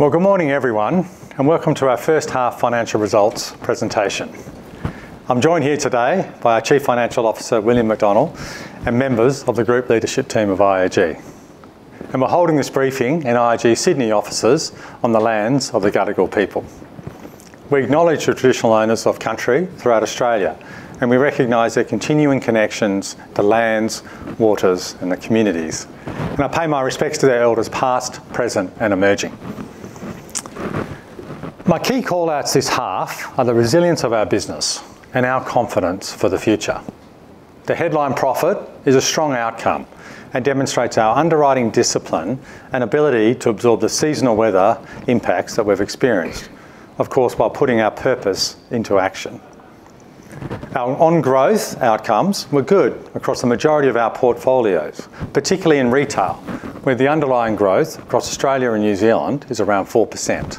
Well, good morning everyone, and welcome to our First Half Financial Results Presentation. I'm joined here today by our Chief Financial Officer, William McDonnell, and members of the group leadership team of IAG. We're holding this briefing in IAG Sydney offices on the lands of the Gadigal people. We acknowledge the traditional owners of country throughout Australia, and we recognize their continuing connections to lands, waters, and their communities. I pay my respects to their elders, past, present, and emerging. My key call-outs this half are the resilience of our business and our confidence for the future. The headline profit is a strong outcome and demonstrates our underwriting discipline and ability to absorb the seasonal weather impacts that we've experienced, of course, while putting our purpose into action. Our own growth outcomes were good across the majority of our portfolios, particularly in retail, where the underlying growth across Australia and New Zealand is around 4%.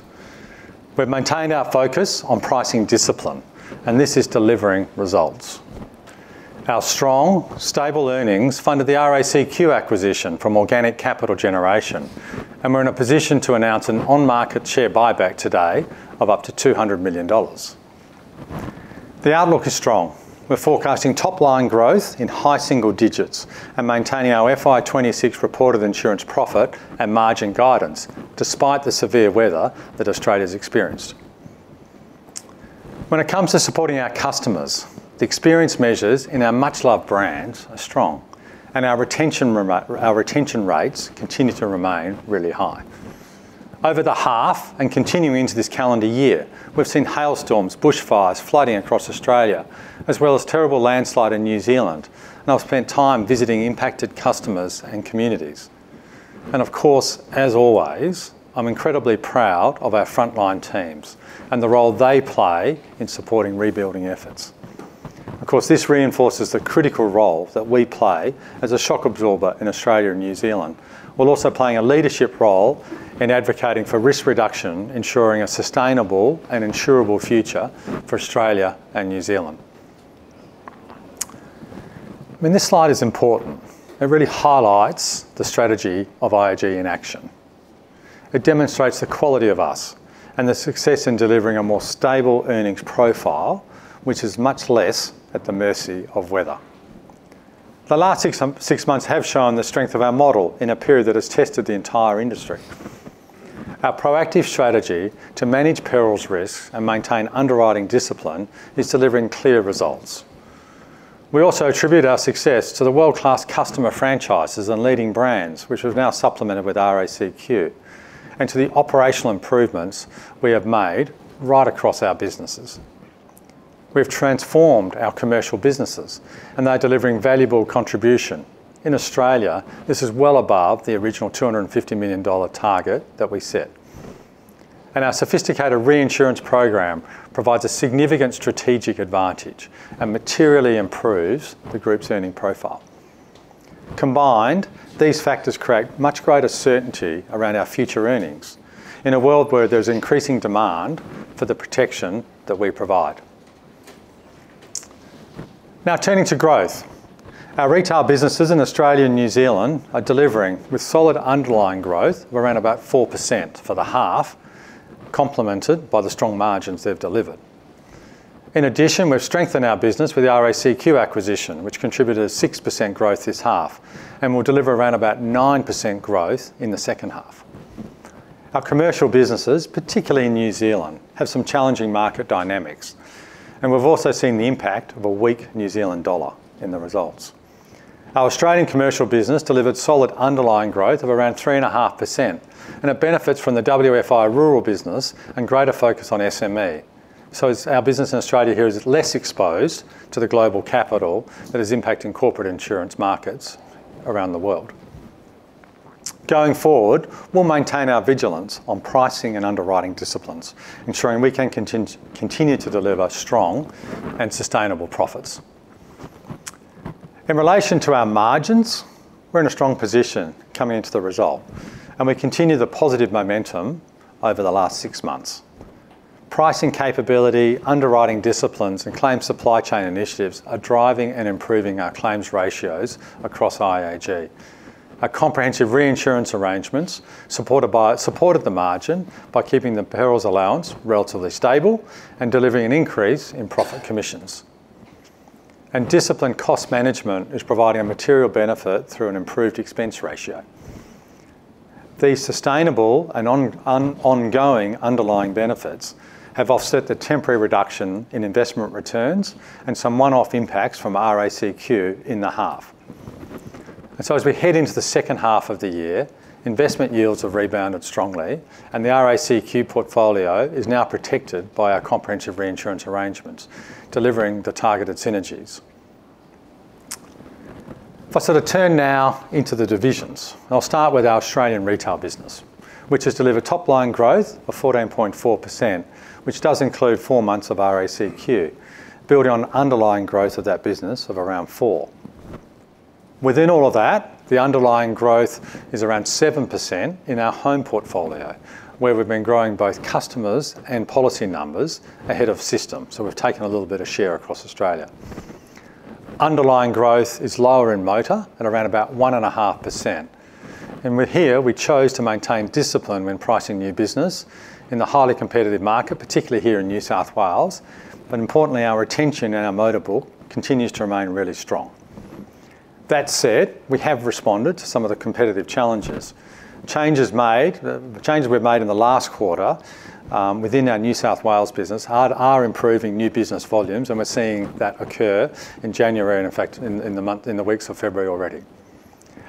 We've maintained our focus on pricing discipline, and this is delivering results. Our strong, stable earnings funded the RACQ acquisition from organic capital generation, and we're in a position to announce an on-market share buyback today of up to 200 million dollars. The outlook is strong. We're forecasting top-line growth in high single digits and maintaining our FY 2026 reported insurance profit and margin guidance, despite the severe weather that Australia's experienced. When it comes to supporting our customers, the experience measures in our much-loved brands are strong, and our retention rates continue to remain really high. Over the half and continuing into this calendar year, we've seen hailstorms, bushfires, flooding across Australia, as well as terrible landslide in New Zealand, and I've spent time visiting impacted customers and communities. Of course, as always, I'm incredibly proud of our frontline teams and the role they play in supporting rebuilding efforts. Of course, this reinforces the critical role that we play as a shock absorber in Australia and New Zealand, while also playing a leadership role in advocating for risk reduction, ensuring a sustainable and insurable future for Australia and New Zealand. I mean, this slide is important. It really highlights the strategy of IAG in action. It demonstrates the quality of us and the success in delivering a more stable earnings profile, which is much less at the mercy of weather. The last six months have shown the strength of our model in a period that has tested the entire industry. Our proactive strategy to manage perils risk and maintain underwriting discipline is delivering clear results. We also attribute our success to the world-class customer franchises and leading brands, which we've now supplemented with RACQ, and to the operational improvements we have made right across our businesses. We've transformed our commercial businesses, and they're delivering valuable contribution. In Australia, this is well above the original 250 million dollar target that we set. Our sophisticated reinsurance program provides a significant strategic advantage and materially improves the group's earning profile. Combined, these factors create much greater certainty around our future earnings in a world where there's increasing demand for the protection that we provide. Now, turning to growth. Our retail businesses in Australia and New Zealand are delivering, with solid underlying growth of around about 4% for the half, complemented by the strong margins they've delivered. In addition, we've strengthened our business with the RACQ acquisition, which contributed a 6% growth this half and will deliver around about 9% growth in the second half. Our commercial businesses, particularly in New Zealand, have some challenging market dynamics, and we've also seen the impact of a weak New Zealand dollar in the results. Our Australian commercial business delivered solid underlying growth of around 3.5%, and it benefits from the WFI rural business and greater focus on SME. So as our business in Australia here is less exposed to the global capital that is impacting corporate insurance markets around the world. Going forward, we'll maintain our vigilance on pricing and underwriting disciplines, ensuring we can continue to deliver strong and sustainable profits. In relation to our margins, we're in a strong position coming into the result, and we continue the positive momentum over the last six months. Pricing capability, underwriting disciplines, and claim supply chain initiatives are driving and improving our claims ratios across IAG. Our comprehensive reinsurance arrangements supported the margin by keeping the perils allowance relatively stable and delivering an increase in profit commissions. Disciplined cost management is providing a material benefit through an improved expense ratio. These sustainable and ongoing underlying benefits have offset the temporary reduction in investment returns and some one-off impacts from RACQ in the half. As we head into the second half of the year, investment yields have rebounded strongly, and the RACQ portfolio is now protected by our comprehensive reinsurance arrangements, delivering the targeted synergies. If I sort of turn now into the divisions, I'll start with our Australian retail business, which has delivered top-line growth of 14.4%, which does include four months of RACQ, building on underlying growth of that business of around 4%. Within all of that, the underlying growth is around 7% in our home portfolio, where we've been growing both customers and policy numbers ahead of system. So we've taken a little bit of share across Australia. Underlying growth is lower in motor at around about 1.5%. And with here, we chose to maintain discipline when pricing new business in the highly competitive market, particularly here in New South Wales. But importantly, our retention in our motor book continues to remain really strong. That said, we have responded to some of the competitive challenges. The changes we've made in the last quarter within our New South Wales business are improving new business volumes, and we're seeing that occur in January, and in fact, in the weeks of February already.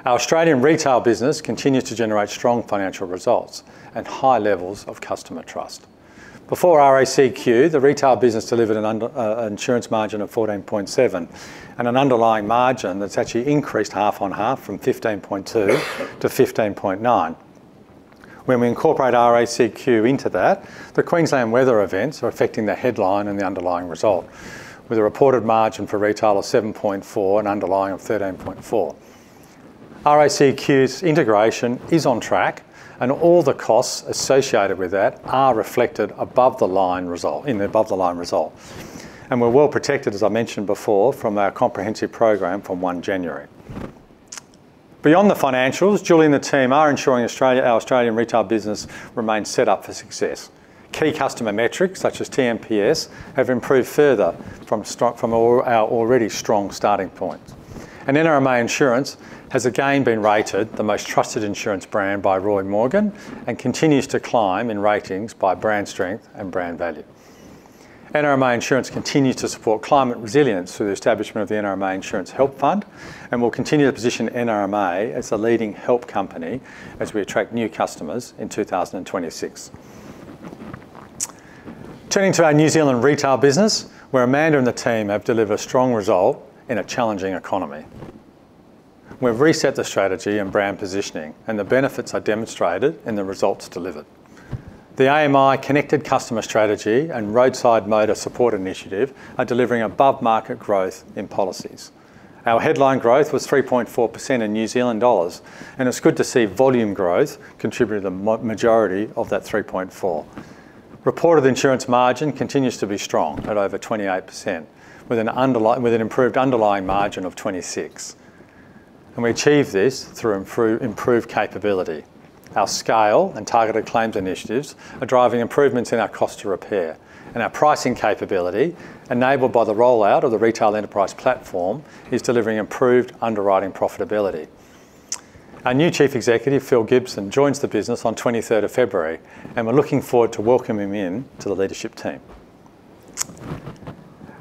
Our Australian retail business continues to generate strong financial results and high levels of customer trust. Before RACQ, the retail business delivered an insurance margin of 14.7% and an underlying margin that's actually increased half on half from 15.2%-15.9%. When we incorporate RACQ into that, the Queensland weather events are affecting the headline and the underlying result, with a reported margin for retail of 7.4% and underlying of 13.4%. RACQ's integration is on track, and all the costs associated with that are reflected above the line result, in the above the line result. And we're well protected, as I mentioned before, from our comprehensive program from 1 January. Beyond the financials, Julie and the team are ensuring our Australian retail business remains set up for success. Key customer metrics, such as tNPS, have improved further from our already strong starting point. And NRMA Insurance has again been rated the most trusted insurance brand by Roy Morgan and continues to climb in ratings by brand strength and brand value. NRMA Insurance continues to support climate resilience through the establishment of the NRMA Insurance Help Fund, and will continue to position NRMA as a leading help company as we attract new customers in 2026. Turning to our New Zealand retail business, where Amanda and the team have delivered a strong result in a challenging economy. We've reset the strategy and brand positioning, and the benefits are demonstrated and the results delivered. The AMI Connected Customer Strategy and Roadside Motor Support Initiative are delivering above-market growth in policies. Our headline growth was 3.4% in NZD, and it's good to see volume growth contributed to the majority of that 3.4%. Reported insurance margin continues to be strong at over 28%, with an improved underlying margin of 26%, and we achieved this through improved capability. Our scale and targeted claims initiatives are driving improvements in our cost to repair, and our pricing capability, enabled by the rollout of the Retail Enterprise Platform, is delivering improved underwriting profitability. Our new Chief Executive, Phil Gibson, joins the business on 23rd of February, and we're looking forward to welcoming him in to the leadership team.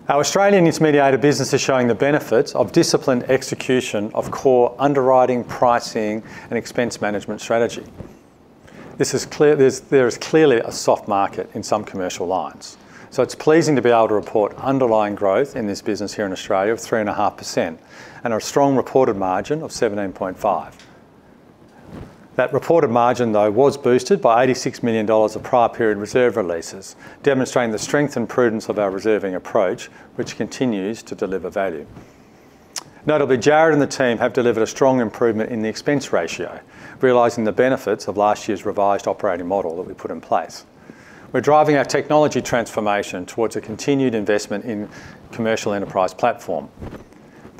Our Australian Intermediated business is showing the benefits of disciplined execution of core underwriting, pricing, and expense management strategy. This is clear. There is clearly a soft market in some commercial lines, so it's pleasing to be able to report underlying growth in this business here in Australia of 3.5% and a strong reported margin of 17.5%. That reported margin, though, was boosted by 86 million dollars of prior period reserve releases, demonstrating the strength and prudence of our reserving approach, which continues to deliver value. Notably, Jarrod and the team have delivered a strong improvement in the expense ratio, realizing the benefits of last year's revised operating model that we put in place. We're driving our technology transformation towards a continued investment in Commercial Enterprise Platform.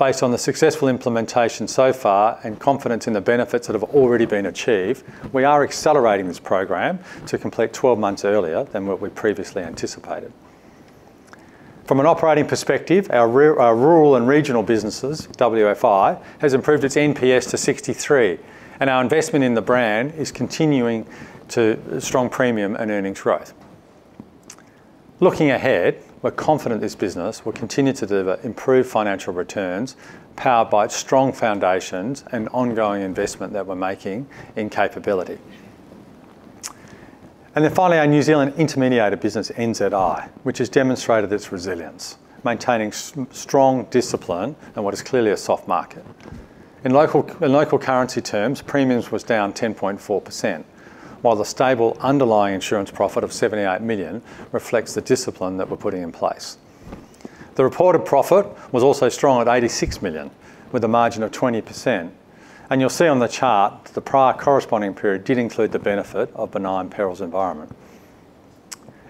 Based on the successful implementation so far and confidence in the benefits that have already been achieved, we are accelerating this program to complete 12 months earlier than what we previously anticipated. From an operating perspective, our rural and regional businesses, WFI, has improved its NPS to 63, and our investment in the brand is continuing to strong premium and earnings growth. Looking ahead, we're confident this business will continue to deliver improved financial returns, powered by its strong foundations and ongoing investment that we're making in capability. Finally, our New Zealand Intermediary business, NZI, which has demonstrated its resilience, maintaining strong discipline in what is clearly a soft market. In local currency terms, premiums was down 10.4%, while the stable underlying insurance profit of 78 million reflects the discipline that we're putting in place. The reported profit was also strong at 86 million, with a margin of 20%, and you'll see on the chart that the prior corresponding period did include the benefit of benign perils environment.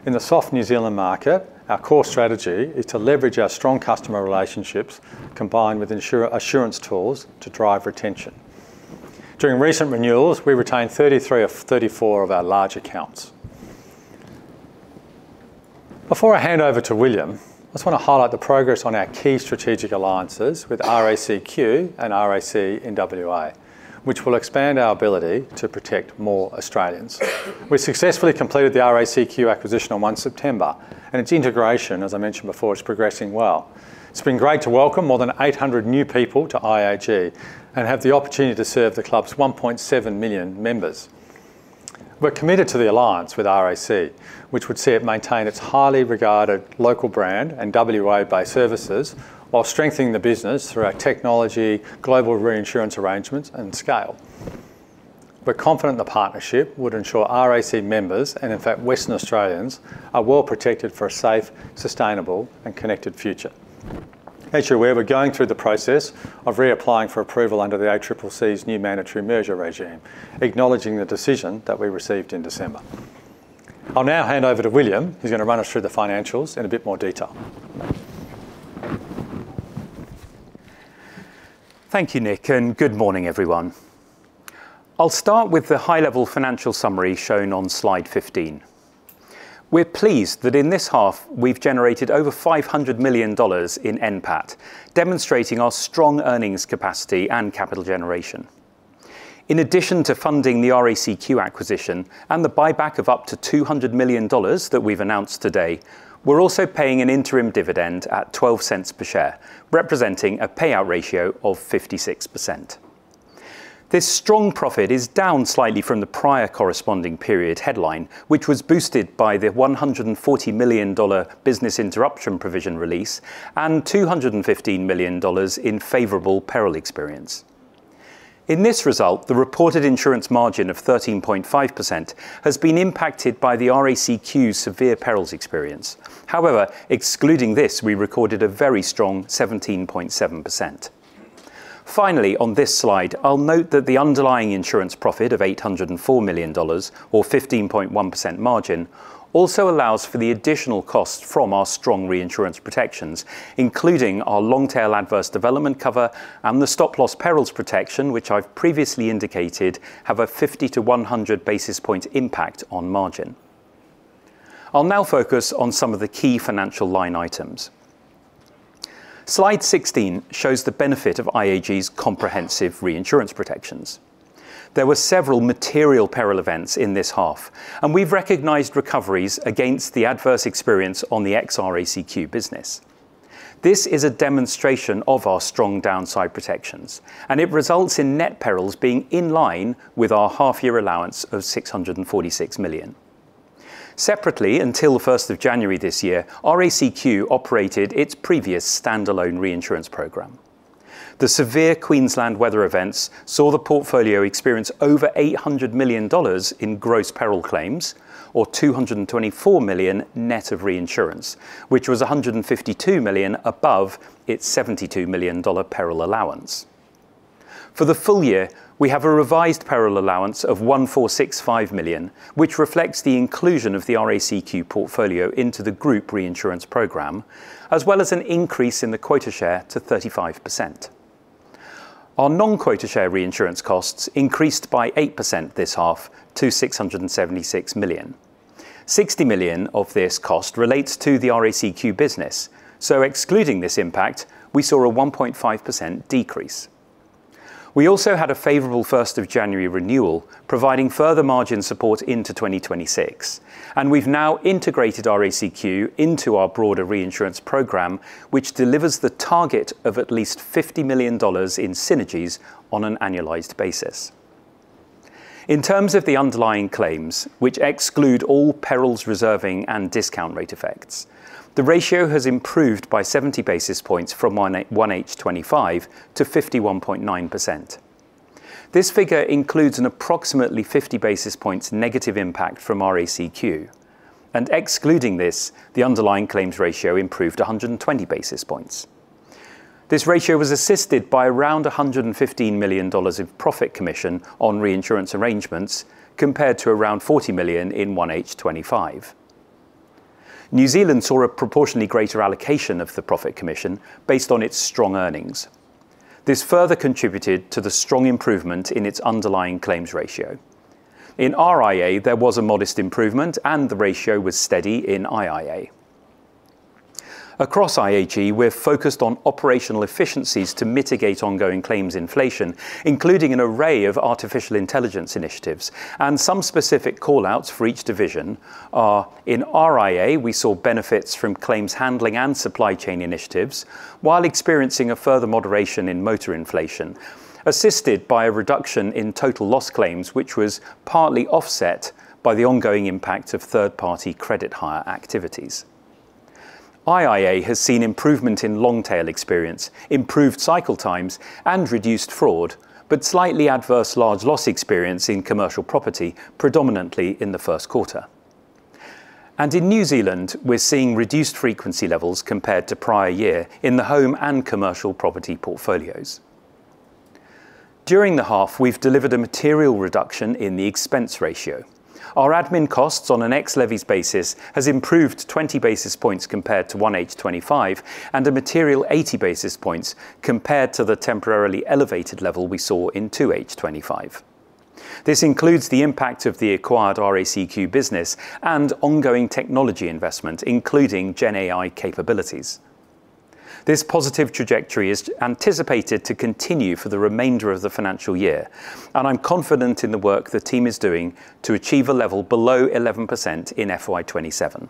In the soft New Zealand market, our core strategy is to leverage our strong customer relationships, combined with assurance tools to drive retention. During recent renewals, we retained 33 of 34 of our large accounts. Before I hand over to William, I just want to highlight the progress on our key strategic alliances with RACQ and RAC in WA, which will expand our ability to protect more Australians. We successfully completed the RACQ acquisition on 1 September, and its integration, as I mentioned before, is progressing well. It's been great to welcome more than 800 new people to IAG and have the opportunity to serve the club's 1.7 million members. We're committed to the alliance with RAC, which would see it maintain its highly regarded local brand and WA-based services while strengthening the business through our technology, global reinsurance arrangements and scale. We're confident the partnership would ensure RAC members, and in fact, Western Australians, are well protected for a safe, sustainable and connected future. As you're aware, we're going through the process of reapplying for approval under the ACCC's new mandatory merger regime, acknowledging the decision that we received in December. I'll now hand over to William, who's going to run us through the financials in a bit more detail. Thank you, Nick, and good morning, everyone. I'll start with the high-level financial summary shown on slide 15. We're pleased that in this half we've generated over 500 million dollars in NPAT, demonstrating our strong earnings capacity and capital generation. In addition to funding the RACQ acquisition and the buyback of up to 200 million dollars that we've announced today, we're also paying an interim dividend at 0.12 per share, representing a payout ratio of 56%. This strong profit is down slightly from the prior corresponding period headline, which was boosted by the 140 million dollar business interruption provision release and 215 million dollars in favorable peril experience. In this result, the reported insurance margin of 13.5% has been impacted by the RACQ severe perils experience. However, excluding this, we recorded a very strong 17.7%. Finally, on this slide, I'll note that the underlying insurance profit of 804 million dollars or 15.1% margin, also allows for the additional cost from our strong reinsurance protections, including our long tail adverse development cover and the stop loss perils protection, which I've previously indicated have a 50-100 basis point impact on margin. I'll now focus on some of the key financial line items. Slide 16 shows the benefit of IAG's comprehensive reinsurance protections. There were several material peril events in this half, and we've recognized recoveries against the adverse experience on the ex-RACQ business. This is a demonstration of our strong downside protections, and it results in net perils being in line with our half-year allowance of 646 million. Separately, until the first of January this year, RACQ operated its previous standalone reinsurance program. The severe Queensland weather events saw the portfolio experience over 800 million dollars in gross perils claims or 224 million net of reinsurance, which was 152 million above its 72 million dollar perils allowance. For the full year, we have a revised perils allowance of 1,465 million, which reflects the inclusion of the RACQ portfolio into the group reinsurance program, as well as an increase in the quota share to 35%. Our non-quota share reinsurance costs increased by 8% this half to 676 million. 60 million of this cost relates to the RACQ business. So excluding this impact, we saw a 1.5% decrease. We also had a favorable first of January renewal, providing further margin support into 2026, and we've now integrated RACQ into our broader reinsurance program, which delivers the target of at least 50 million dollars in synergies on an annualized basis. In terms of the underlying claims, which exclude all perils reserving and discount rate effects, the ratio has improved by 70 basis points from 1H 2025 to 51.9%. This figure includes an approximately 50 basis points negative impact from RACQ, and excluding this, the underlying claims ratio improved 120 basis points. This ratio was assisted by around 115 million dollars in profit commission on reinsurance arrangements, compared to around 40 million in 1H 2025. New Zealand saw a proportionally greater allocation of the profit commission based on its strong earnings. This further contributed to the strong improvement in its underlying claims ratio. In RIA, there was a modest improvement, and the ratio was steady in IIA. Across IAG, we're focused on operational efficiencies to mitigate ongoing claims inflation, including an array of artificial intelligence initiatives. And some specific call-outs for each division are: in RIA, we saw benefits from claims handling and supply chain initiatives while experiencing a further moderation in motor inflation, assisted by a reduction in total loss claims, which was partly offset by the ongoing impact of third-party credit hire activities. IIA has seen improvement in long-tail experience, improved cycle times, and reduced fraud, but slightly adverse large loss experience in commercial property, predominantly in the first quarter. And in New Zealand, we're seeing reduced frequency levels compared to prior year in the home and commercial property portfolios. During the half, we've delivered a material reduction in the expense ratio. Our admin costs on an ex-levies basis has improved 20 basis points compared to 1H 2025, and a material 80 basis points compared to the temporarily elevated level we saw in 2H 2025. This includes the impact of the acquired RACQ business and ongoing technology investment, including GenAI capabilities. This positive trajectory is anticipated to continue for the remainder of the financial year, and I'm confident in the work the team is doing to achieve a level below 11% in FY 2027.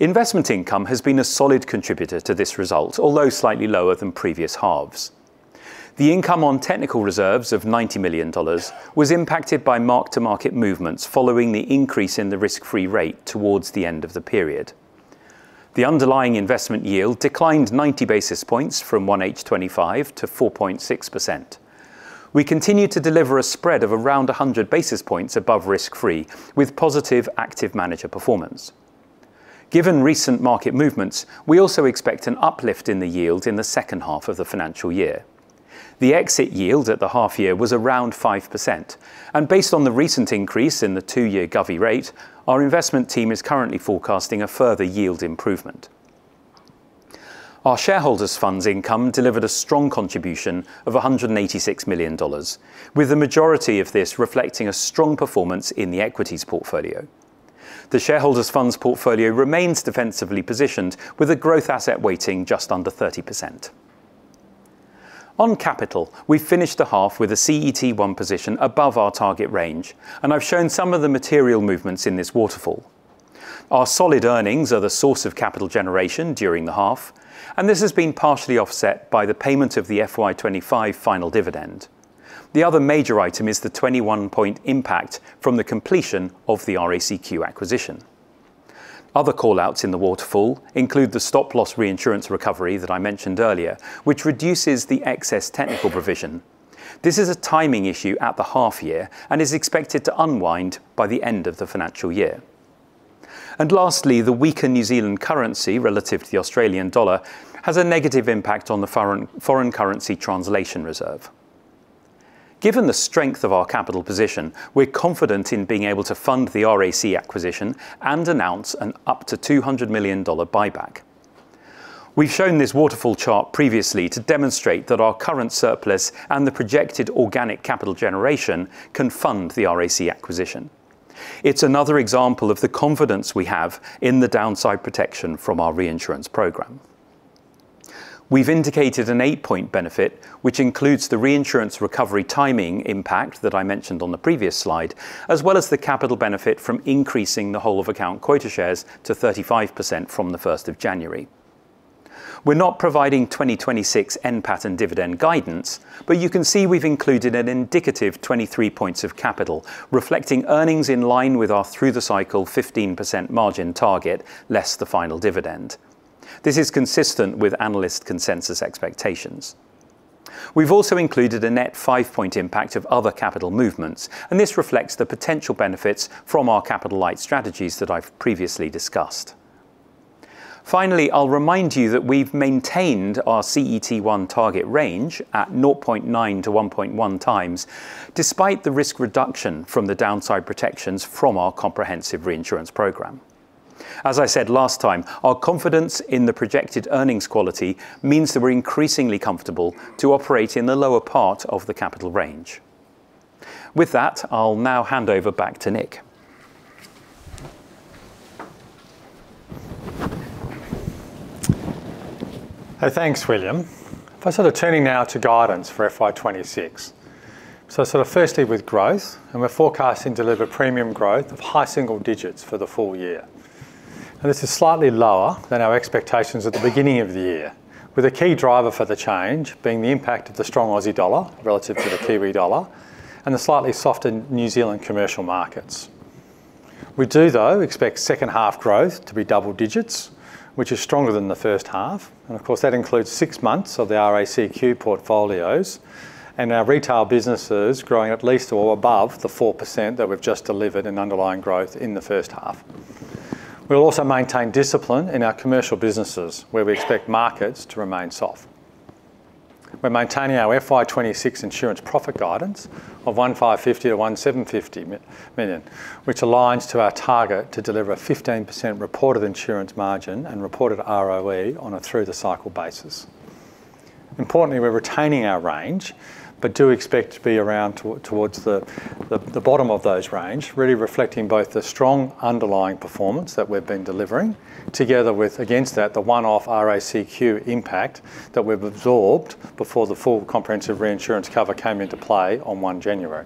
Investment income has been a solid contributor to this result, although slightly lower than previous halves. The income on technical reserves of 90 million dollars was impacted by mark-to-market movements following the increase in the risk-free rate towards the end of the period. The underlying investment yield declined 90 basis points from 1H 2025 to 4.6%. We continue to deliver a spread of around 100 basis points above risk-free, with positive active manager performance. Given recent market movements, we also expect an uplift in the yield in the second half of the financial year. The exit yield at the half year was around 5%, and based on the recent increase in the two-year govvie rate, our investment team is currently forecasting a further yield improvement. Our shareholders' funds income delivered a strong contribution of 186 million dollars, with the majority of this reflecting a strong performance in the equities portfolio. The shareholders' funds portfolio remains defensively positioned, with a growth asset weighting just under 30%. On capital, we finished the half with a CET1 position above our target range, and I've shown some of the material movements in this waterfall. Our solid earnings are the source of capital generation during the half, and this has been partially offset by the payment of the FY 2025 final dividend. The other major item is the 21-point impact from the completion of the RACQ acquisition. Other call-outs in the waterfall include the stop-loss reinsurance recovery that I mentioned earlier, which reduces the excess technical provision. This is a timing issue at the half year and is expected to unwind by the end of the financial year. Lastly, the weaker New Zealand currency relative to the Australian dollar has a negative impact on the foreign currency translation reserve. Given the strength of our capital position, we're confident in being able to fund the RAC acquisition and announce an up to 200 million dollar buyback. We've shown this waterfall chart previously to demonstrate that our current surplus and the projected organic capital generation can fund the RAC acquisition. It's another example of the confidence we have in the downside protection from our reinsurance program. We've indicated an 8-point benefit, which includes the reinsurance recovery timing impact that I mentioned on the previous slide, as well as the capital benefit from increasing the whole of account quota shares to 35% from the first of January. We're not providing 2026 NPAT and dividend guidance, but you can see we've included an indicative 23 points of capital, reflecting earnings in line with our through the cycle 15% margin target, less the final dividend. This is consistent with analyst consensus expectations. We've also included a net 5-point impact of other capital movements, and this reflects the potential benefits from our capital-light strategies that I've previously discussed. Finally, I'll remind you that we've maintained our CET1 target range at 0.9x-1.1x, despite the risk reduction from the downside protections from our comprehensive reinsurance program. As I said last time, our confidence in the projected earnings quality means that we're increasingly comfortable to operate in the lower part of the capital range. With that, I'll now hand over back to Nick. Hey, thanks, William. So, sort of turning now to guidance for FY 2026. So, sort of firstly, with growth, and we're forecasting to deliver premium growth of high single digits for the full year. And this is slightly lower than our expectations at the beginning of the year, with a key driver for the change being the impact of the strong Aussie dollar relative to the Kiwi dollar and the slightly softer New Zealand commercial markets. We do, though, expect second half growth to be double digits, which is stronger than the first half, and of course, that includes six months of the RACQ portfolios and our retail businesses growing at least or above the 4% that we've just delivered in underlying growth in the first half. We'll also maintain discipline in our commercial businesses, where we expect markets to remain soft. We're maintaining our FY 2026 insurance profit guidance of 1,550 million-1,750 million, which aligns to our target to deliver a 15% reported insurance margin and reported ROE on a through-the-cycle basis. Importantly, we're retaining our range, but do expect to be around towards the bottom of those range, really reflecting both the strong underlying performance that we've been delivering, together with, against that, the one-off RACQ impact that we've absorbed before the full comprehensive reinsurance cover came into play on 1 January.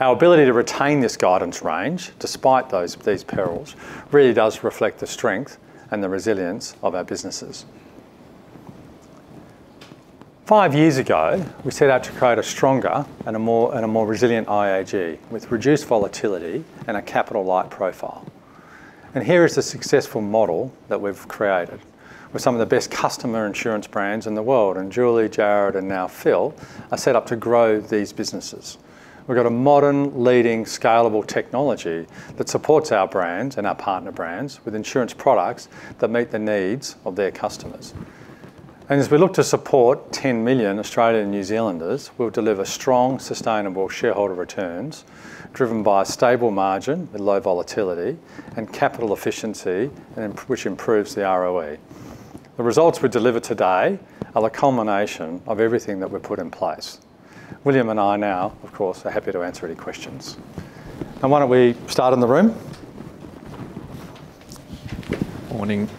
Our ability to retain this guidance range, despite these perils, really does reflect the strength and the resilience of our businesses. Five years ago, we set out to create a stronger and a more resilient IAG, with reduced volatility and a capital-light profile. Here is the successful model that we've created, with some of the best customer insurance brands in the world. Julie, Jarrod, and now Phil are set up to grow these businesses. We've got a modern, leading, scalable technology that supports our brands and our partner brands with insurance products that meet the needs of their customers. As we look to support 10 million Australian and New Zealanders, we'll deliver strong, sustainable shareholder returns, driven by a stable margin and low volatility and capital efficiency, and which improves the ROE. The results we deliver today are the culmination of everything that we've put in place. William and I now, of course, are happy to answer any questions. Why don't we start in the room? Morning.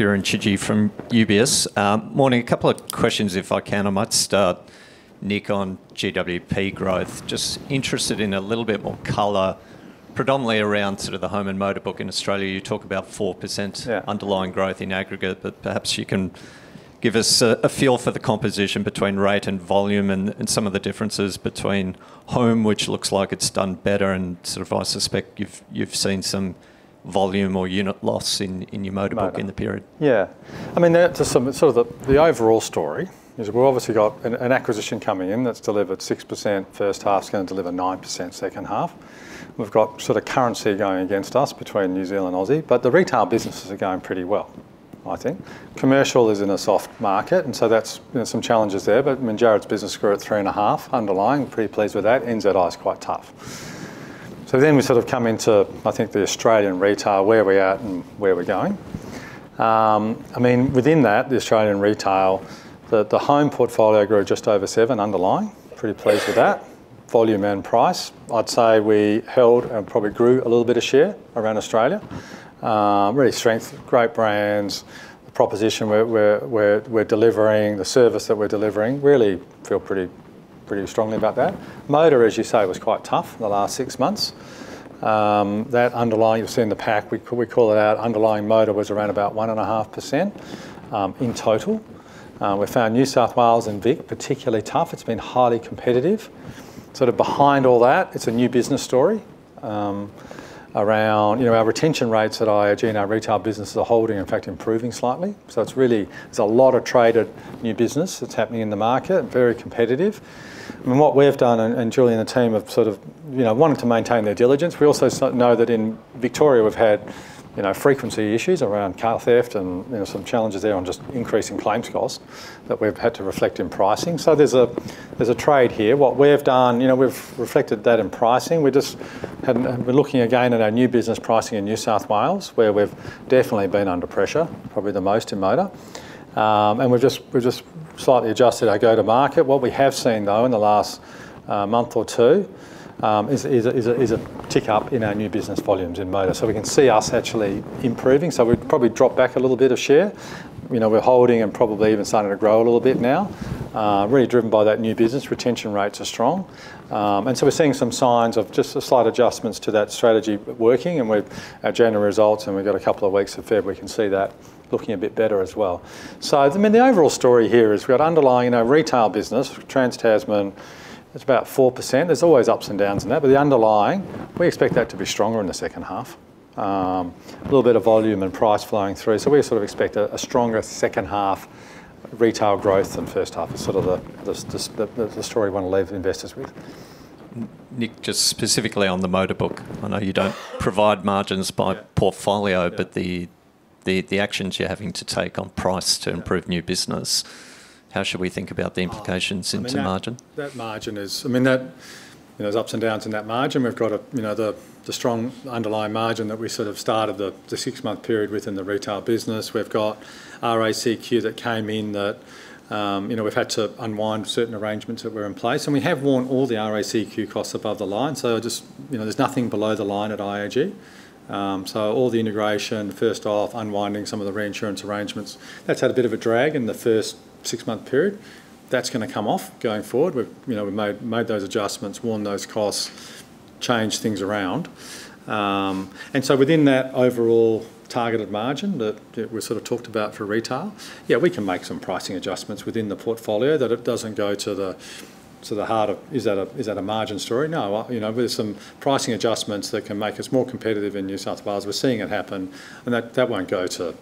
Kieran Chidgey from UBS. Morning. A couple of questions, if I can. I might start, Nick, on GWP growth. Just interested in a little bit more color, predominantly around sort of the home and motor book in Australia. You talk about 4%- Yeah... underlying growth in aggregate, but perhaps you can give us a feel for the composition between rate and volume and some of the differences between home, which looks like it's done better, and sort of I suspect you've seen some volume or unit loss in your motor book in the period? Yeah. I mean, that to some sort of the overall story is we've obviously got an acquisition coming in that's delivered 6% first half; it's going to deliver 9% second half. We've got sort of currency going against us between New Zealand and Aussie, but the retail businesses are going pretty well, I think. Commercial is in a soft market, and so that's, you know, some challenges there, but I mean, Jarrod's business grew at 3.5% underlying. Pretty pleased with that. NZI is quite tough. So then we sort of come into, I think, the Australian retail, where we're at and where we're going. I mean, within that, the Australian retail, the home portfolio grew just over 7% underlying. Pretty pleased with that. Volume and price, I'd say we held and probably grew a little bit of share around Australia. Really strength, great brands, the proposition we're delivering, the service that we're delivering, really feel pretty strongly about that. Motor, as you say, was quite tough in the last six months. That underlying, you'll see in the pack, we call it out, underlying motor was around about 1.5%, in total. We found New South Wales and Vic particularly tough. It's been highly competitive. Sort of behind all that, it's a new business story, around... You know, our retention rates at IAG and our retail businesses are holding, in fact, improving slightly. So it's really- there's a lot of traded new business that's happening in the market, very competitive. I mean, what we've done, and Julie and the team have sort of, you know, wanted to maintain their diligence. We also sort... know that in Victoria, we've had, you know, frequency issues around car theft and, you know, some challenges there on just increasing claims costs that we've had to reflect in pricing. So there's a trade here. What we've done, you know, we've reflected that in pricing. We just hadn't... We're looking again at our new business pricing in New South Wales, where we've definitely been under pressure, probably the most in motor. And we've just slightly adjusted our go-to-market. What we have seen, though, in the last month or two is a tick-up in our new business volumes in motor. So we can see us actually improving. So we've probably dropped back a little bit of share. You know, we're holding and probably even starting to grow a little bit now, really driven by that new business. Retention rates are strong. And so we're seeing some signs of just the slight adjustments to that strategy working, and with our January results, and we've got a couple of weeks of February, we can see that looking a bit better as well. So, I mean, the overall story here is we've got underlying in our retail business, TransTasman, it's about 4%. There's always ups and downs in that, but the underlying, we expect that to be stronger in the second half. A little bit of volume and price flowing through, so we sort of expect a stronger second half retail growth than first half is sort of the story we want to leave investors with. Nick, just specifically on the motor book, I know you don't provide margins by portfolio- Yeah... but the actions you're having to take on price to improve new business, how should we think about the implications into margin? Oh, I mean, that margin is... I mean, there's ups and downs in that margin. We've got, you know, the strong underlying margin that we sort of started the six-month period with in the retail business. We've got RACQ that came in that, you know, we've had to unwind certain arrangements that were in place, and we have run all the RACQ costs above the line. So, you know, there's nothing below the line at IAG. So all the integration, first off, unwinding some of the reinsurance arrangements, that's had a bit of a drag in the first six-month period. That's going to come off going forward. We've, you know, we've made those adjustments, run those costs, changed things around. And so within that overall targeted margin that we sort of talked about for retail, yeah, we can make some pricing adjustments within the portfolio, that it doesn't go to the heart of... Is that a margin story? No, you know, there's some pricing adjustments that can make us more competitive in New South Wales. We're seeing it happen, and that won't go to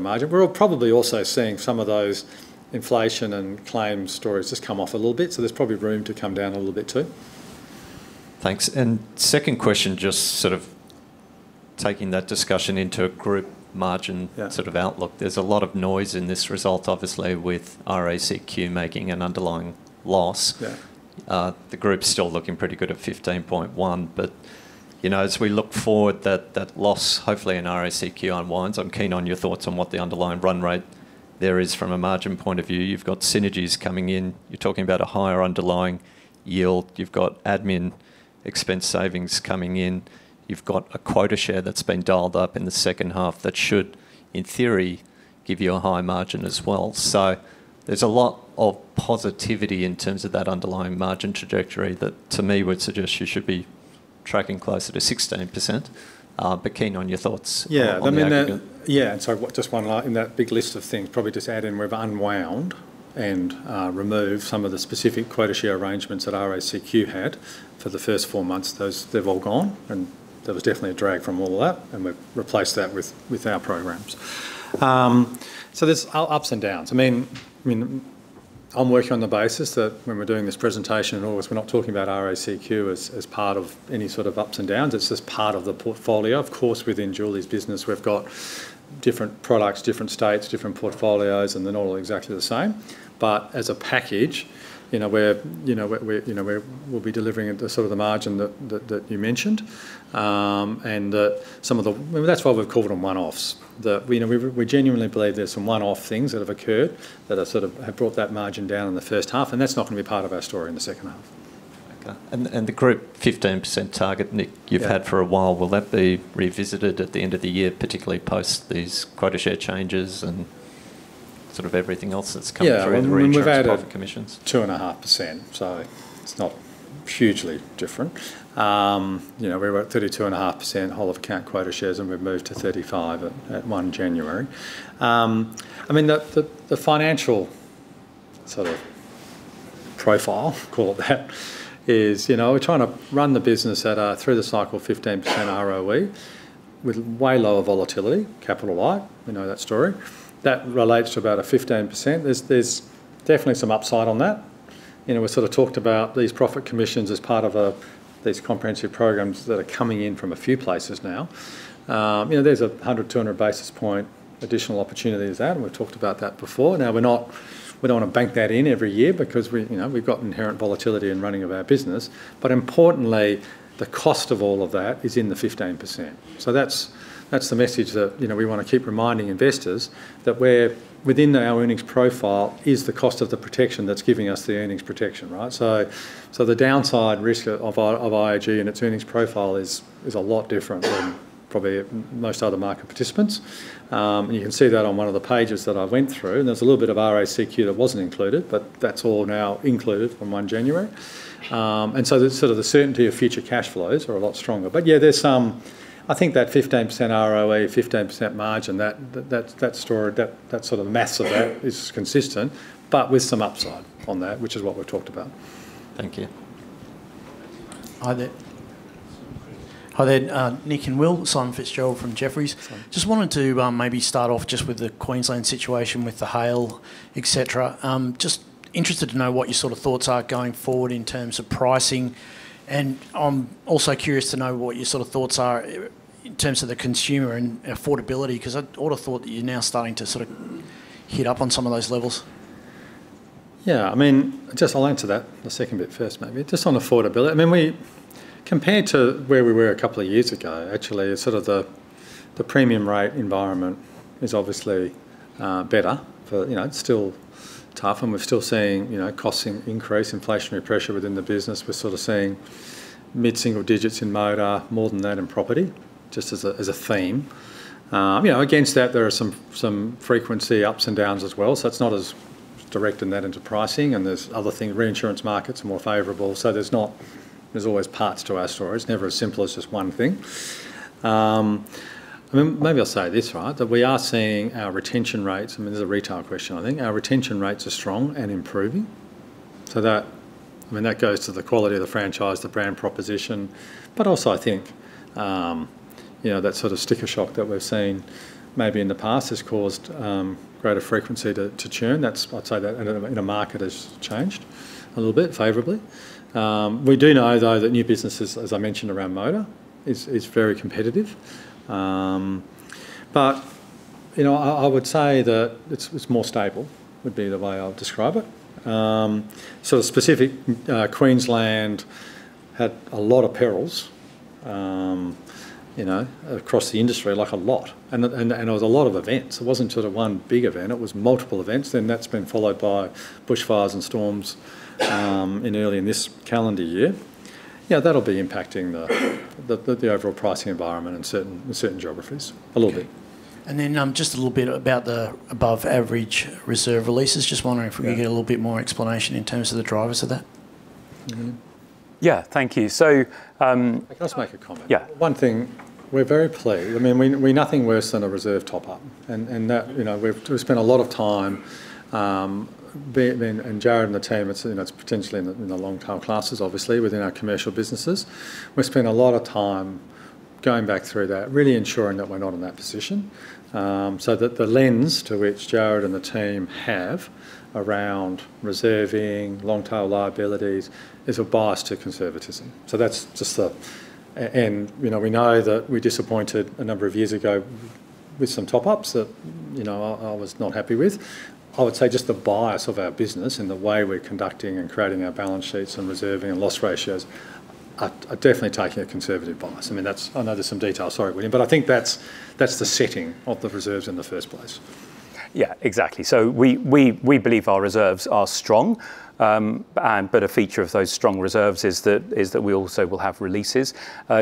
margin. We're probably also seeing some of those inflation and claims stories just come off a little bit, so there's probably room to come down a little bit, too. Thanks. And second question, just sort of taking that discussion into a group margin- Yeah... sort of outlook. There's a lot of noise in this result, obviously, with RACQ making an underlying loss. Yeah. The group's still looking pretty good at 15.1%, but, you know, as we look forward, that loss, hopefully, in RACQ unwinds. I'm keen on your thoughts on what the underlying run rate there is from a margin point of view. You've got synergies coming in. You're talking about a higher underlying yield. You've got admin expense savings coming in. You've got a quota share that's been dialed up in the second half that should, in theory, give you a higher margin as well. So there's a lot of positivity in terms of that underlying margin trajectory that, to me, would suggest you should be tracking closer to 16%. But keen on your thoughts- Yeah... on the aggregate. I mean, yeah, and so just one last in that big list of things, probably just add in, we've unwound and removed some of the specific quota share arrangements that RACQ had for the first four months. Those they've all gone, and there was definitely a drag from all of that, and we've replaced that with our programs. So there's ups and downs. I mean, I'm working on the basis that when we're doing this presentation in August, we're not talking about RACQ as part of any sort of ups and downs. It's just part of the portfolio. Of course, within Julie's business, we've got different products, different states, different portfolios, and they're not all exactly the same. But as a package, you know, we'll be delivering at the sort of the margin that you mentioned. Some of the... I mean, that's why we've called them one-offs. You know, we genuinely believe there's some one-off things that have occurred that are sort of have brought that margin down in the first half, and that's not going to be part of our story in the second half. Okay. And the Group 15% target, Nick- Yeah... you've had for a while, will that be revisited at the end of the year, particularly post these Quota Share changes and sort of everything else that's come through the reinsurance profit commissions? Yeah, and we've added 2.5%, so it's not hugely different. You know, we're about 32.5% whole of account quota share, and we've moved to 35% at 1 January. I mean, the financial sort of profile, call it that, is, you know, we're trying to run the business at a through the cycle 15% ROE, with way lower volatility, capital-light, we know that story. That relates to about a 15%. There's definitely some upside on that. You know, we sort of talked about these profit commissions as part of a these comprehensive programs that are coming in from a few places now. You know, there's a 100-200 basis point additional opportunity in that, and we've talked about that before. Now, we're not, we don't want to bank that in every year because we, you know, we've got inherent volatility in running of our business. But importantly, the cost of all of that is in the 15%. So that's, that's the message that, you know, we want to keep reminding investors, that we're within our earnings profile is the cost of the protection that's giving us the earnings protection, right? So the downside risk of IAG and its earnings profile is a lot different than probably most other market participants. You can see that on one of the pages that I went through, and there's a little bit of RACQ that wasn't included, but that's all now included from 1 January. And so the sort of the certainty of future cash flows are a lot stronger. But yeah, there's some... I think that 15% ROE, 15% margin, that story, that sort of mass of that is consistent, but with some upside on that, which is what we've talked about. Thank you. Hi there. Hi there, Nick and Will. Simon Fitzgerald from Jefferies. Simon. Just wanted to maybe start off just with the Queensland situation, with the hail, et cetera. Just interested to know what your sort of thoughts are going forward in terms of pricing, and I'm also curious to know what your sort of thoughts are in terms of the consumer and affordability, 'cause I'd ought have thought that you're now starting to sort of hit up on some of those levels. Yeah, I mean, just I'll answer that, the second bit first, maybe. Just on affordability, I mean, we compared to where we were a couple of years ago, actually sort of the premium rate environment is obviously better. For, you know, it's still tough, and we're still seeing, you know, costs increase, inflationary pressure within the business. We're sort of seeing mid-single digits in motor, more than that in property, just as a theme. You know, against that, there are some frequency ups and downs as well, so it's not as direct in that into pricing, and there's other things. Reinsurance markets are more favorable, so there's not—there's always parts to our story. It's never as simple as just one thing. I mean, maybe I'll say it this way, that we are seeing our retention rates... I mean, this is a retail question, I think. Our retention rates are strong and improving, so that, I mean, that goes to the quality of the franchise, the brand proposition, but also, I think, you know, that sort of sticker shock that we've seen maybe in the past has caused greater frequency to churn. That's... I'd say that and the market has changed a little bit, favorably. We do know, though, that new businesses, as I mentioned around motor, is very competitive. But, you know, I would say that it's more stable, would be the way I would describe it. So specific, Queensland had a lot of perils, you know, across the industry, like a lot, and it was a lot of events. It wasn't sort of one big event, it was multiple events. Then that's been followed by bushfires and storms in early this calendar year. You know, that'll be impacting the overall pricing environment in certain geographies a little bit. And then, just a little bit about the above-average reserve releases. Just wondering- Yeah... if we could get a little bit more explanation in terms of the drivers of that. Mm-hmm. Yeah, thank you. So, Can I just make a comment? Yeah. One thing, we're very pleased. I mean, we're nothing worse than a reserve top-up, and that, you know, we've spent a lot of time, and Jarrod and the team, it's, you know, it's potentially in the long tail classes, obviously, within our commercial businesses. We've spent a lot of time going back through that, really ensuring that we're not in that position. So the lens to which Jarrod and the team have around reserving, long tail liabilities, is a bias to conservatism. So that's just the... And, you know, we know that we disappointed a number of years ago with some top-ups that, you know, I was not happy with. I would say just the bias of our business and the way we're conducting and creating our balance sheets and reserving and loss ratios are, are definitely taking a conservative bias. I mean, that's... I know there's some detail. Sorry, William, but I think that's, that's the setting of the reserves in the first place. Yeah, exactly. So we believe our reserves are strong, and but a feature of those strong reserves is that we also will have releases.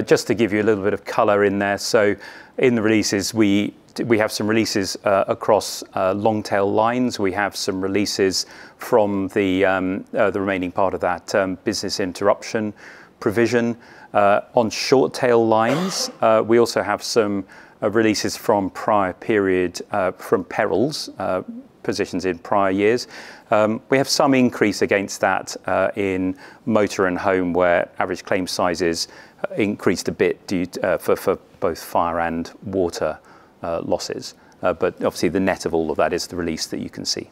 Just to give you a little bit of color in there, so in the releases, we have some releases across long-tail lines. We have some releases from the remaining part of that business interruption provision. On short-tail lines, we also have some releases from prior period from perils positions in prior years. We have some increase against that in motor and home, where average claim sizes increased a bit due for both fire and water losses. But obviously, the net of all of that is the release that you can see.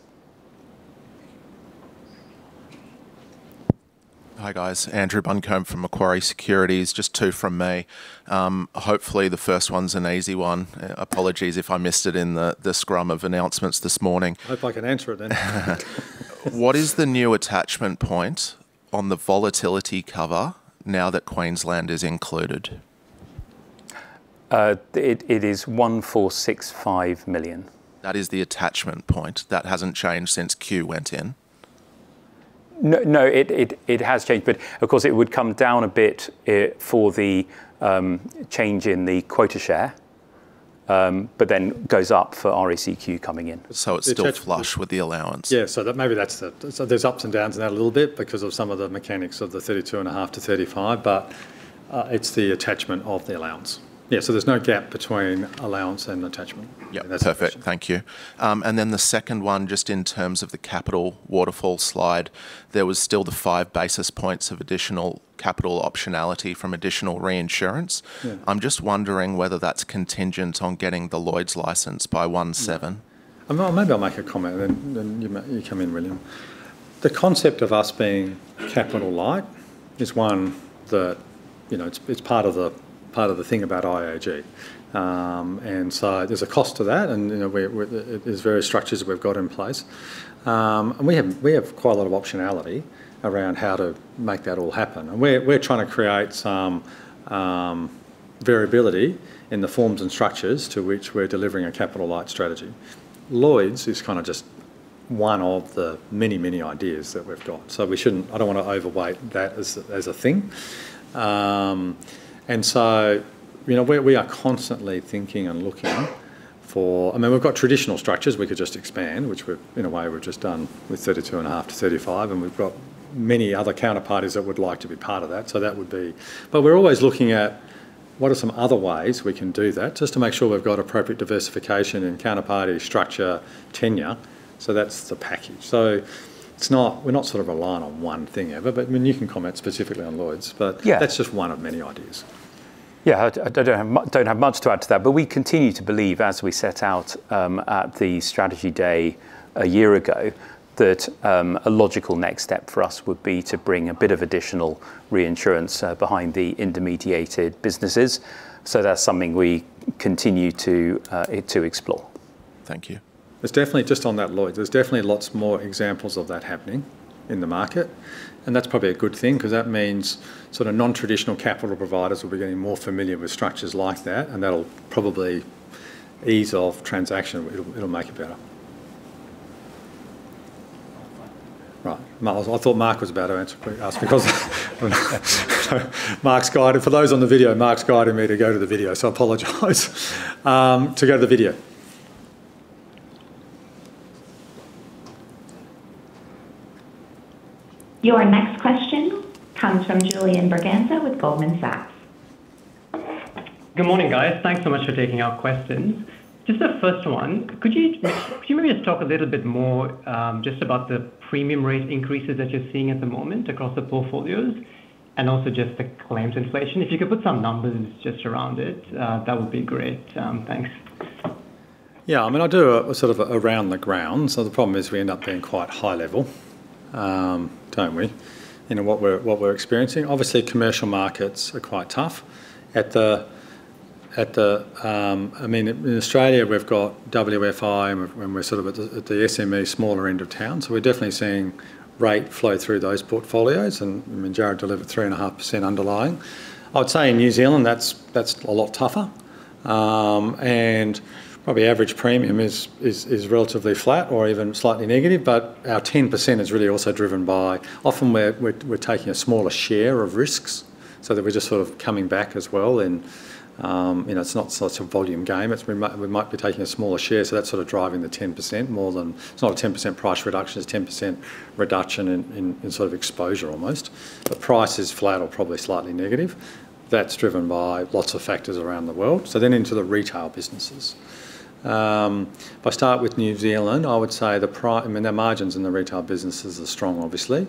Hi, guys. Andrew Buncombe from Macquarie Securities. Just two from me. Hopefully, the first one's an easy one. Apologies if I missed it in the scrum of announcements this morning. Hope I can answer it then. What is the new attachment point on the volatility cover now that Queensland is included? It is 1,465 million. That is the attachment point? That hasn't changed since Queensland went in? No, no, it has changed, but of course, it would come down a bit for the change in the Quota Share, but then goes up for RACQ coming in. So it's still flush with the allowance? Yeah, so that maybe that's the... So there's ups and downs in that a little bit because of some of the mechanics of the 32.5%-35%, but it's the attachment of the allowance. Yeah, so there's no gap between allowance and attachment. Yeah, perfect. Thank you. And then the second one, just in terms of the capital waterfall slide, there was still the 5 basis points of additional capital optionality from additional reinsurance. Yeah. I'm just wondering whether that's contingent on getting the Lloyd's license by 17? Maybe I'll make a comment, and then you come in, William. The concept of us being capital light is one that, you know, it's, it's part of the, part of the thing about IAG. And so there's a cost to that, and, you know, we're. There's various structures that we've got in place. And we have, we have quite a lot of optionality around how to make that all happen, and we're trying to create some variability in the forms and structures to which we're delivering a capital light strategy. Lloyd's is kind of just one of the many, many ideas that we've got, so we shouldn't. I don't want to overweight that as a thing. And so, you know, we are constantly thinking and looking for... I mean, we've got traditional structures we could just expand, which we're, in a way, we've just done with 32.5%-35%, and we've got many other counterparties that would like to be part of that, so that would be... But we're always looking at what are some other ways we can do that, just to make sure we've got appropriate diversification and counterparty structure tenure, so that's the package. So it's not- we're not sort of relying on one thing ever, but, I mean, you can comment specifically on Lloyd's, but- Yeah... that's just one of many ideas. Yeah, I don't have much to add to that, but we continue to believe, as we set out, at the strategy day a year ago, that a logical next step for us would be to bring a bit of additional reinsurance behind the intermediated businesses. So that's something we continue to explore. Thank you. There's definitely... Just on that, Lloyd, there's definitely lots more examples of that happening in the market, and that's probably a good thing 'cause that means sort of non-traditional capital providers will be getting more familiar with structures like that, and that'll probably ease off transaction. It'll, it'll make it better. Right. Well, I thought Mark was about to answer us because Mark's guiding. For those on the video, Mark's guiding me to go to the video, so I apologise to go to the video. Your next question comes from Julian Braganza with Goldman Sachs. Good morning, guys. Thanks so much for taking our questions. Just the first one, could you maybe just talk a little bit more, just about the premium rate increases that you're seeing at the moment across the portfolios and also just the claims inflation? If you could put some numbers just around it, that would be great. Thanks. Yeah, I mean, I'll do a sort of around the ground, so the problem is we end up being quite high level, don't we? You know, what we're experiencing. Obviously, commercial markets are quite tough. At the... I mean, in Australia, we've got WFI, and we're sort of at the SME smaller end of town, so we're definitely seeing rate flow through those portfolios, and Jarrod delivered 3.5% underlying. I'd say in New Zealand, that's a lot tougher, and probably average premium is relatively flat or even slightly negative, but our 10% is really also driven by often where we're taking a smaller share of risks, so that we're just sort of coming back as well, and, you know, it's not so much a volume game, it's we might be taking a smaller share, so that's sort of driving the 10% more than... It's not a 10% price reduction, it's 10% reduction in, in, sort of exposure almost. The price is flat or probably slightly negative. That's driven by lots of factors around the world. So then into the retail businesses. If I start with New Zealand, I would say I mean, the margins in the retail businesses are strong, obviously.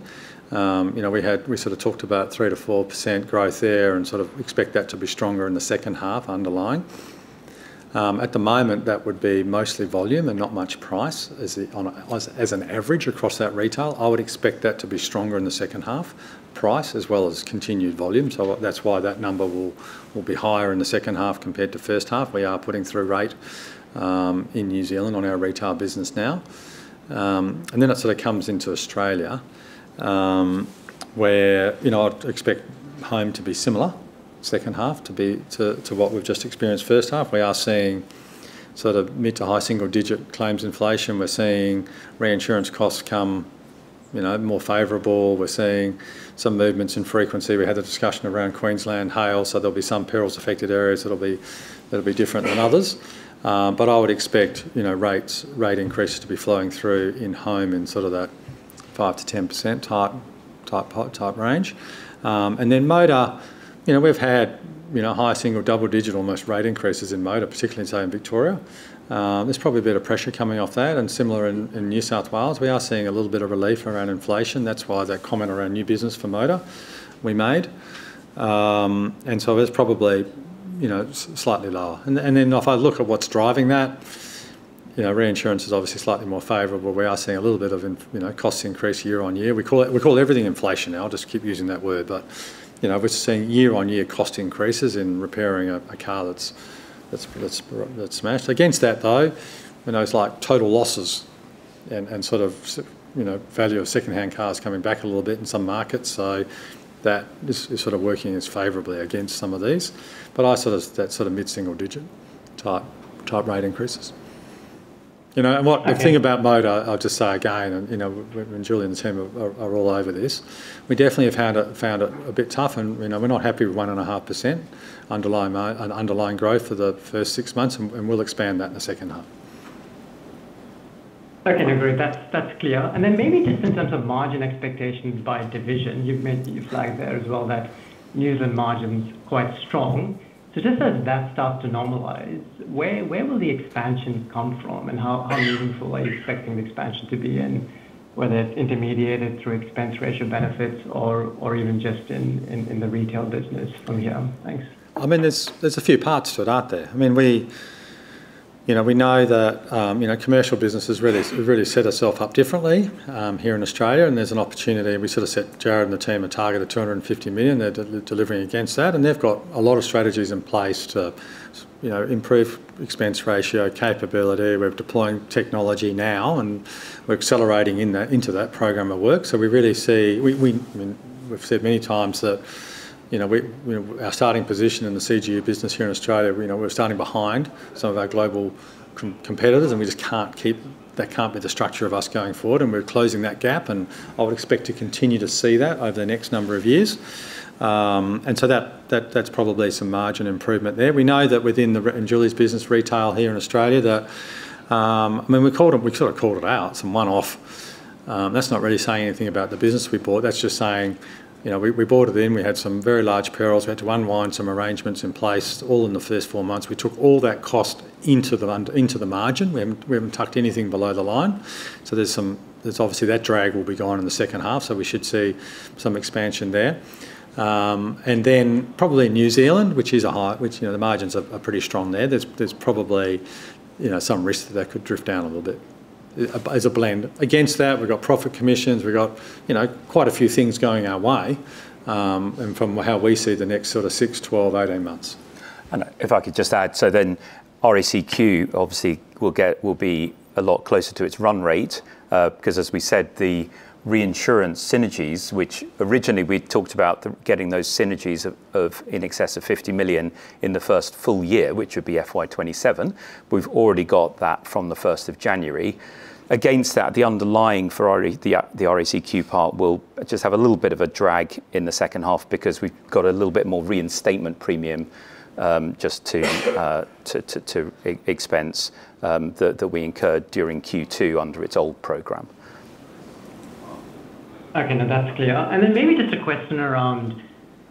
You know, we sort of talked about 3%-4% growth there and sort of expect that to be stronger in the second half underlying. At the moment, that would be mostly volume and not much price, as an average across that retail. I would expect that to be stronger in the second half, price as well as continued volume, so that's why that number will be higher in the second half compared to first half. We are putting through rate in New Zealand on our retail business now. And then it sort of comes into Australia, where, you know, I'd expect home to be similar second half to what we've just experienced first half. We are seeing sort of mid- to high-single-digit claims inflation. We're seeing reinsurance costs come, you know, more favorable. We're seeing some movements in frequency. We had a discussion around Queensland hail, so there'll be some perils affected areas that'll be different than others. But I would expect, you know, rates, rate increases to be flowing through in home in sort of that 5%-10% type range. And then motor, you know, we've had, you know, high single, double-digit most rate increases in motor, particularly so in Victoria. There's probably a bit of pressure coming off that, and similar in New South Wales. We are seeing a little bit of relief around inflation. That's why that comment around new business for motor we made. And so that's probably, you know, slightly lower. Then if I look at what's driving that, you know, reinsurance is obviously slightly more favorable. We are seeing a little bit of cost increase year-on-year. We call it, we call everything inflation now. I'll just keep using that word, but, you know, we're seeing year-on-year cost increases in repairing a car that's smashed. Against that, though, you know, it's like total losses and sort of, you know, value of second-hand cars coming back a little bit in some markets, so that is sort of working as favorably against some of these, but I sort of that sort of mid single digit type rate increases. You know, and what- Okay... the thing about motor, I'll just say again, and, you know, and Julie and the team are all over this, we definitely have had it, found it a bit tough, and, you know, we're not happy with 1.5% underlying growth for the first six months, and we'll expand that in the second half. ... Okay, no worry. That's, that's clear. And then maybe just in terms of margin expectations by division, you've made, you flagged there as well that NZ and margin's quite strong. So just as that starts to normalize, where, where will the expansion come from? And how, how useful are you expecting the expansion to be, and whether it's intermediated through expense ratio benefits or, or even just in, in, in the retail business from here? Thanks. I mean, there's a few parts to it, aren't there? I mean, we, you know, we know that, you know, commercial business has really, really set ourself up differently, here in Australia, and there's an opportunity, and we sort of set Jarrod and the team a target of 250 million. They're delivering against that, and they've got a lot of strategies in place to, you know, improve expense ratio capability. We're deploying technology now, and we're accelerating into that program of work. So we really see we, we, I mean, we've said many times that, you know, we, our starting position in the CGU business here in Australia, you know, we're starting behind some of our global competitors, and we just can't keep... That can't be the structure of us going forward, and we're closing that gap, and I would expect to continue to see that over the next number of years. And so that, that's probably some margin improvement there. We know that within... And Julie's business retail here in Australia, that... I mean, we called it, we sort of called it out, some one-off. That's not really saying anything about the business we bought. That's just saying, you know, we bought it in, we had some very large perils. We had to unwind some arrangements in place all in the first four months. We took all that cost into the margin. We haven't tucked anything below the line, so there's obviously that drag will be gone in the second half, so we should see some expansion there. And then probably in New Zealand, which is high, you know, the margins are pretty strong there. There's probably, you know, some risk that could drift down a little bit, as a blend. Against that, we've got profit commissions, we've got, you know, quite a few things going our way, and from how we see the next sort of six, 12, 18 months. If I could just add, so then RACQ obviously will be a lot closer to its run rate, because, as we said, the reinsurance synergies, which originally we talked about getting those synergies of in excess of 50 million in the first full year, which would be FY 2027. We've already got that from the 1st of January. Against that, the underlying for the RACQ part will just have a little bit of a drag in the second half because we've got a little bit more reinstatement premium, just to expense that we incurred during Q2 under its old program. Okay, now that's clear. Then maybe just a question around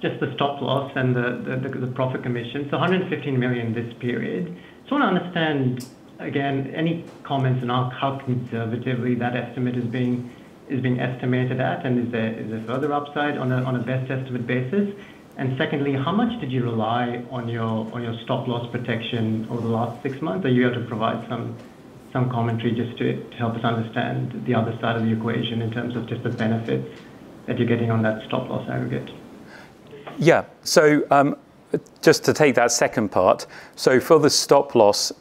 just the stop loss and the profit commission. So 115 million this period. Just want to understand, again, any comments on how conservatively that estimate is being estimated at, and is there further upside on a best estimate basis? And secondly, how much did you rely on your stop loss protection over the last six months? Are you able to provide some commentary just to help us understand the other side of the equation in terms of just the benefits that you're getting on that stop loss aggregate? Yeah. So, just to take that second part, so for the stop loss,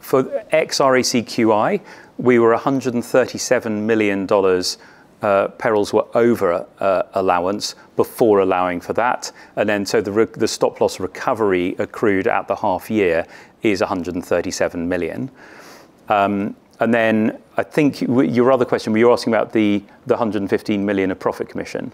for ex-RACQI, we were 137 million dollars, perils were over allowance before allowing for that. And then, so the stop loss recovery accrued at the half year is 137 million. And then I think your other question, were you asking about the 115 million of profit commission?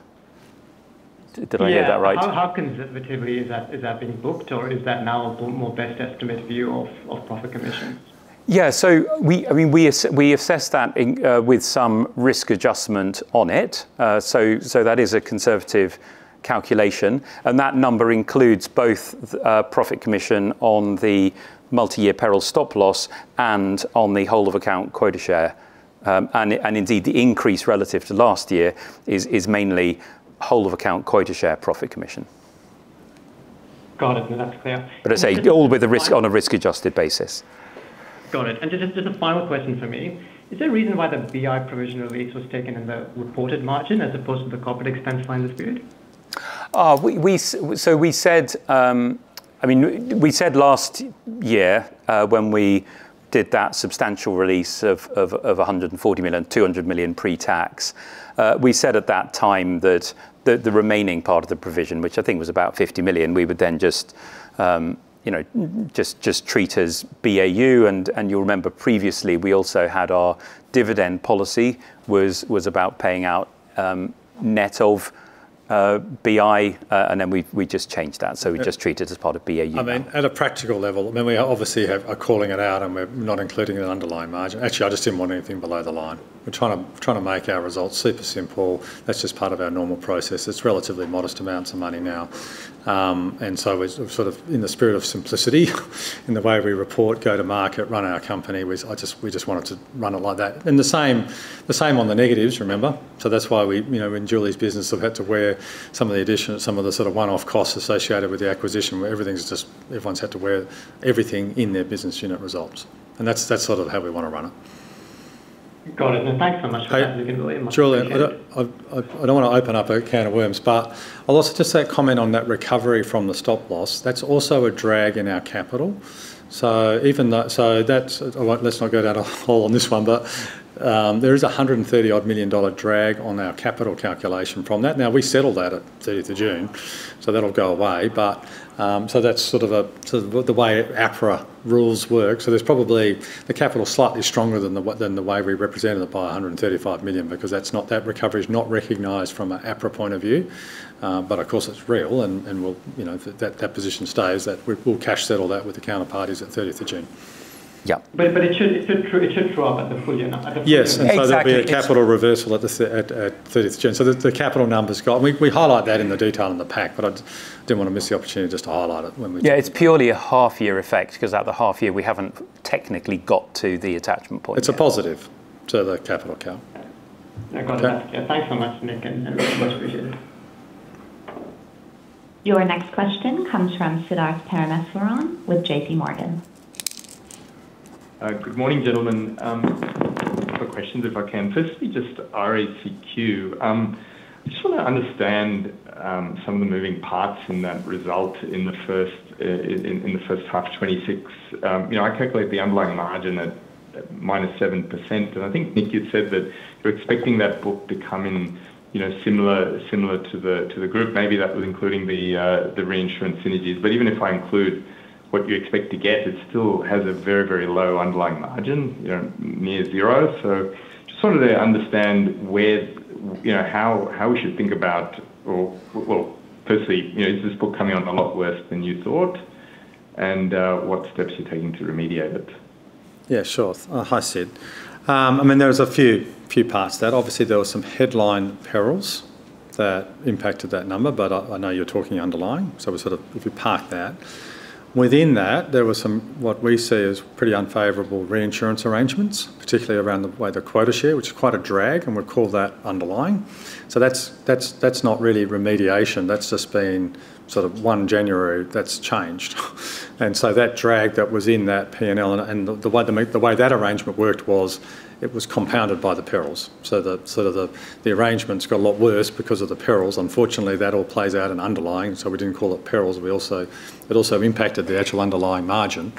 Did I get that right? Yeah. How conservatively is that being booked, or is that now a more best estimate view of profit commission? Yeah, so I mean, we assessed that in with some risk adjustment on it. So that is a conservative calculation, and that number includes both profit commission on the multi-year peril stop loss and on the whole of account quota share. And indeed, the increase relative to last year is mainly whole of account quota share profit commission. Got it. No, that's clear. But I say, all on a risk-adjusted basis. Got it. And just a final question for me: Is there a reason why the BI provision release was taken in the reported margin as opposed to the corporate extension line this period? So we said, I mean, we said last year, when we did that substantial release of 140 million, 200 million pre-tax, we said at that time that the remaining part of the provision, which I think was about 50 million, we would then just, you know, just treat as BAU, and you'll remember previously, we also had our dividend policy was about paying out net of BI, and then we just changed that. So we just treat it as part of BAU. I mean, at a practical level, I mean, we obviously have... We're calling it out, and we're not including it in an underlying margin. Actually, I just didn't want anything below the line. We're trying to, we're trying to make our results super simple. That's just part of our normal process. It's relatively modest amounts of money now. And so, sort of in the spirit of simplicity, in the way we report, go to market, run our company, we just wanted to run it like that. And the same, the same on the negatives, remember. So that's why we, you know, in Julie's business, have had to wear some of the additional, some of the sort of one-off costs associated with the acquisition, where everything's just... Everyone's had to wear everything in their business unit results, and that's, that's sort of how we want to run it. Got it. Thanks so much for talking to me. Julian, I don't want to open up a can of worms, but I'll also just say, comment on that recovery from the stop loss. That's also a drag in our capital. So let's not go down a hole on this one, but there is 130-odd million dollar drag on our capital calculation from that. Now, we settled that at 30th of June, so that'll go away. But so that's sort of a sort of the way APRA rules work. So there's probably the capital is slightly stronger than the way we represented it by 135 million, because that recovery is not recognized from an APRA point of view. But of course, it's real and we'll, you know, that position stays, that we'll cash settle that with the counterparties at 30th of June. ... Yeah, but it should throw up at the full year, I don't- Yes, exactly. So that'll be a capital reversal at that at 30th June. So the capital numbers go... We highlight that in the detail in the pack, but I just didn't want to miss the opportunity just to highlight it when we- Yeah, it's purely a half year effect, 'cause at the half year we haven't technically got to the attachment point. It's a positive to the capital count. Okay. Okay. Thanks so much, Nick, and much appreciated. Your next question comes from Siddharth Parameswaran with JPMorgan. Good morning, gentlemen. A couple questions, if I can. Firstly, just RACQ. I just want to understand some of the moving parts in that result in the first half 2026. You know, I calculate the underlying margin at -7%, and I think, Nick, you said that you're expecting that book to come in, you know, similar to the group. Maybe that was including the reinsurance synergies. But even if I include what you expect to get, it still has a very, very low underlying margin, you know, near zero. So just sort of to understand where, you know, how we should think about... Or, well, firstly, you know, is this book coming on a lot worse than you thought? And what steps are you taking to remediate it? Yeah, sure. Hi, Sid. I mean, there was a few parts to that. Obviously, there were some headline perils that impacted that number, but I know you're talking underlying, so we sort of, if we park that. Within that, there were some, what we see as pretty unfavorable reinsurance arrangements, particularly around the way the quota share, which is quite a drag, and we call that underlying. So that's not really remediation, that's just been sort of 1 January, that's changed. And so that drag that was in that P&L, and the way that arrangement worked was it was compounded by the perils. So the arrangements got a lot worse because of the perils. Unfortunately, that all plays out in underlying, so we didn't call it perils. It also impacted the actual underlying margin.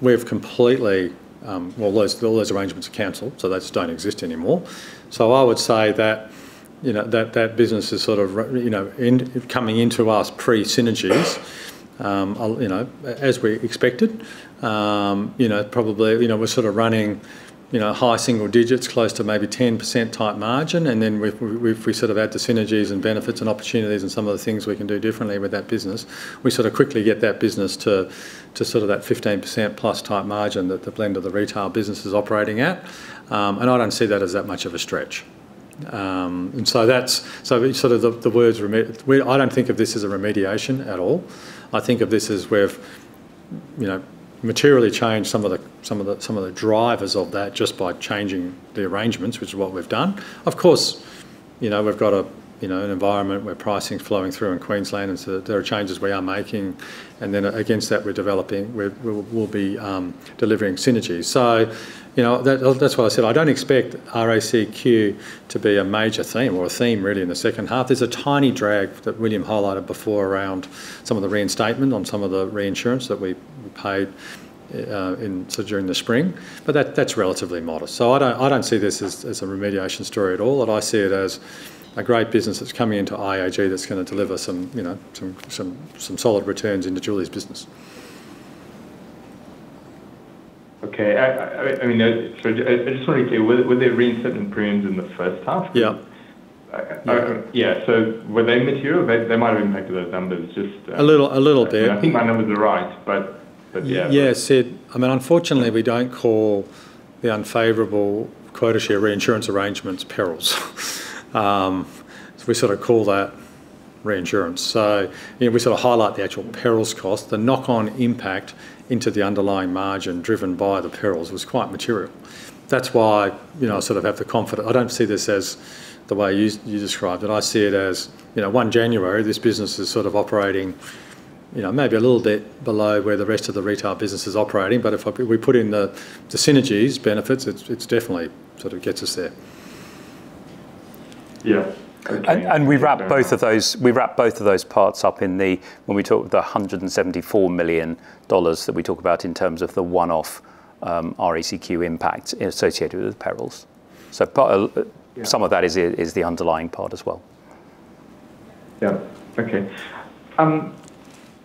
We've completely. Well, those, all those arrangements are canceled, so they just don't exist anymore. So I would say that, you know, that, that business is sort of you know, in, coming into us pre-synergies, I'll, you know, as we expected. You know, probably, you know, we're sort of running, you know, high single digits, close to maybe 10% type margin, and then with, if we sort of add the synergies and benefits and opportunities and some of the things we can do differently with that business, we sort of quickly get that business to, to sort of that 15% plus type margin that the blend of the retail business is operating at. And I don't see that as that much of a stretch. And so that's so sort of the, the words we... I don't think of this as a remediation at all. I think of this as we've, you know, materially changed some of the drivers of that just by changing the arrangements, which is what we've done. Of course, you know, we've got an environment where pricing is flowing through in Queensland, and so there are changes we are making. And then against that, we're developing, we'll be delivering synergies. So, you know, that's why I said I don't expect RACQ to be a major theme or a theme really in the second half. There's a tiny drag that William highlighted before around some of the reinstatement on some of the reinsurance that we paid in so during the spring, but that's relatively modest. So I don't see this as a remediation story at all, but I see it as a great business that's coming into IAG that's going to deliver some, you know, some solid returns into Julie's business. Okay. I mean, so I just want to be clear, were they reinserting premiums in the first half? Yeah. Yeah. Were they material? They might have impacted those numbers just- A little, a little, dear. I think my numbers are right, but, but yeah. Yeah, Sid, I mean, unfortunately, we don't call the unfavorable quota share reinsurance arrangements perils. So we sort of call that reinsurance. So, you know, we sort of highlight the actual perils cost. The knock-on impact into the underlying margin driven by the perils was quite material. That's why, you know, I sort of have the confidence. I don't see this as the way you described it. I see it as, you know, 1 January, this business is sort of operating, you know, maybe a little bit below where the rest of the retail business is operating, but if we put in the synergies benefits, it's definitely sort of gets us there. Yeah. And we wrap both of those parts up in the... When we talk about the 174 million dollars that we talk about in terms of the one-off RACQ impact associated with perils. So part, Yeah... some of that is the underlying part as well. Yeah. Okay.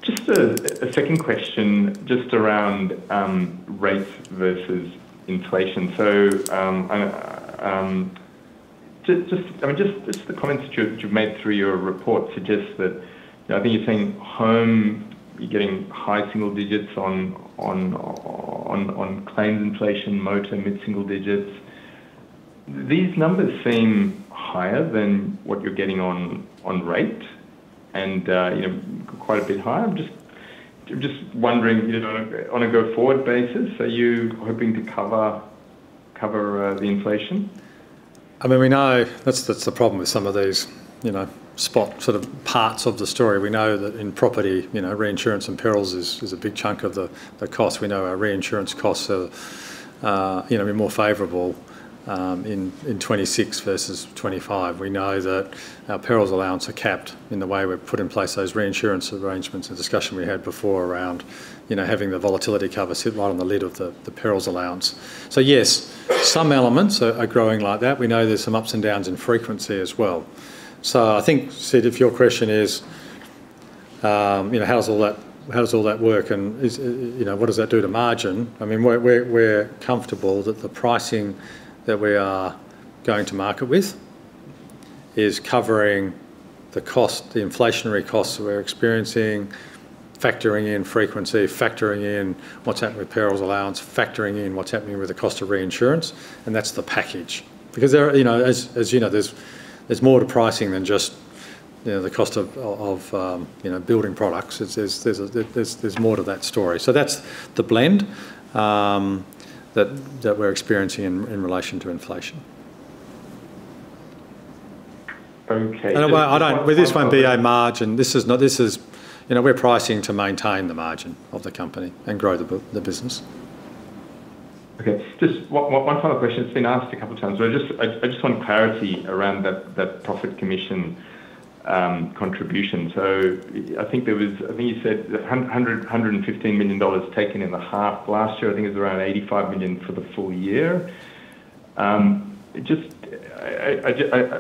Just a second question just around rates versus inflation. So, I mean, the comments that you've made through your report suggest that, you know, I think you're saying home, you're getting high single digits on claims inflation, motor mid-single digits. These numbers seem higher than what you're getting on rate and, you know, quite a bit higher. I'm just wondering, you know, on a go-forward basis, are you hoping to cover the inflation? I mean, we know that's the problem with some of these, you know, spot sort of parts of the story. We know that in property, you know, reinsurance and perils is a big chunk of the cost. We know our reinsurance costs are, you know, be more favorable in 2026 versus 2025. We know that our perils allowance are capped in the way we've put in place those reinsurance arrangements and discussion we had before around, you know, having the volatility cover sit right on the lid of the perils allowance. So yes, some elements are growing like that. We know there's some ups and downs in frequency as well. So I think, Sid, if your question is, you know, how does all that work, and what does that do to margin? I mean, we're comfortable that the pricing that we are going to market with is covering the cost, the inflationary costs we're experiencing, factoring in frequency, factoring in what's happening with perils allowance, factoring in what's happening with the cost of reinsurance, and that's the package. Because there are, you know, as you know, there's more to pricing than just, you know, the cost of building products. There's more to that story. So that's the blend that we're experiencing in relation to inflation. Okay- I don't, well, this won't be a margin. This is not... this is. You know, we're pricing to maintain the margin of the company and grow the business. Okay. Just one final question. It's been asked a couple of times, but I just want clarity around that profit commission contribution. So I think you said 115 million dollars taken in the half last year. I think it was around 85 million for the full year. Just, I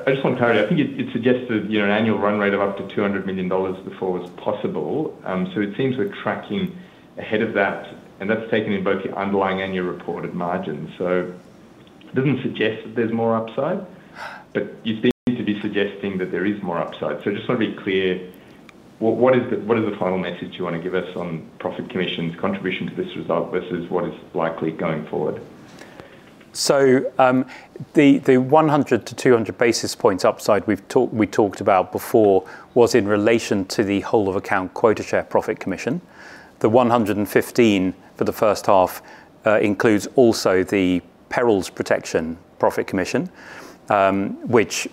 just want clarity. I think it suggests that, you know, an annual run rate of up to 200 million dollars before was possible. So it seems we're tracking ahead of that, and that's taken in both your underlying and your reported margins. So it doesn't suggest that there's more upside, but you seem to be suggesting that there is more upside. So, just want to be clear, what is the final message you want to give us on profit commission's contribution to this result versus what is likely going forward? So, the 100-200 basis points upside we've talked about before was in relation to the whole of account quota share profit commission. The 115 for the first half includes also the perils protection profit commission, which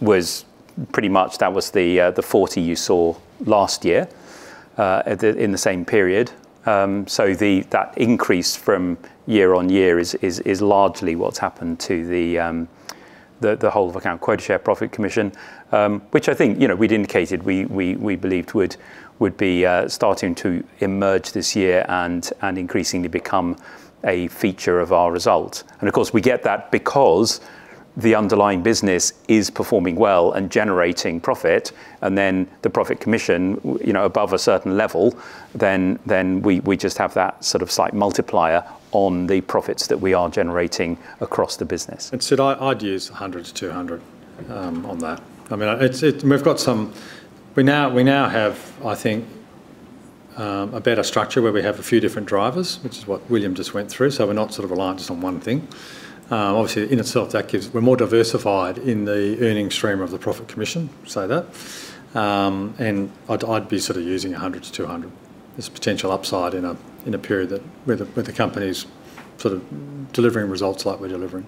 was pretty much the 40 you saw last year in the same period. So that increase from year-on-year is largely what's happened to the whole of account quota share profit commission, which I think, you know, we'd indicated we believed would be starting to emerge this year and increasingly become a feature of our result. Of course, we get that because the underlying business is performing well and generating profit, and then the profit commission, you know, above a certain level, then we just have that sort of slight multiplier on the profits that we are generating across the business. Sid, I'd use 100-200 on that. I mean, it's... We've got some... We now have, I think, a better structure where we have a few different drivers, which is what William just went through, so we're not sort of reliant just on one thing. Obviously, in itself, that we're more diversified in the earning stream of the profit commission, say that. I'd be sort of using 100-200 as a potential upside in a period that where the company's sort of delivering results like we're delivering.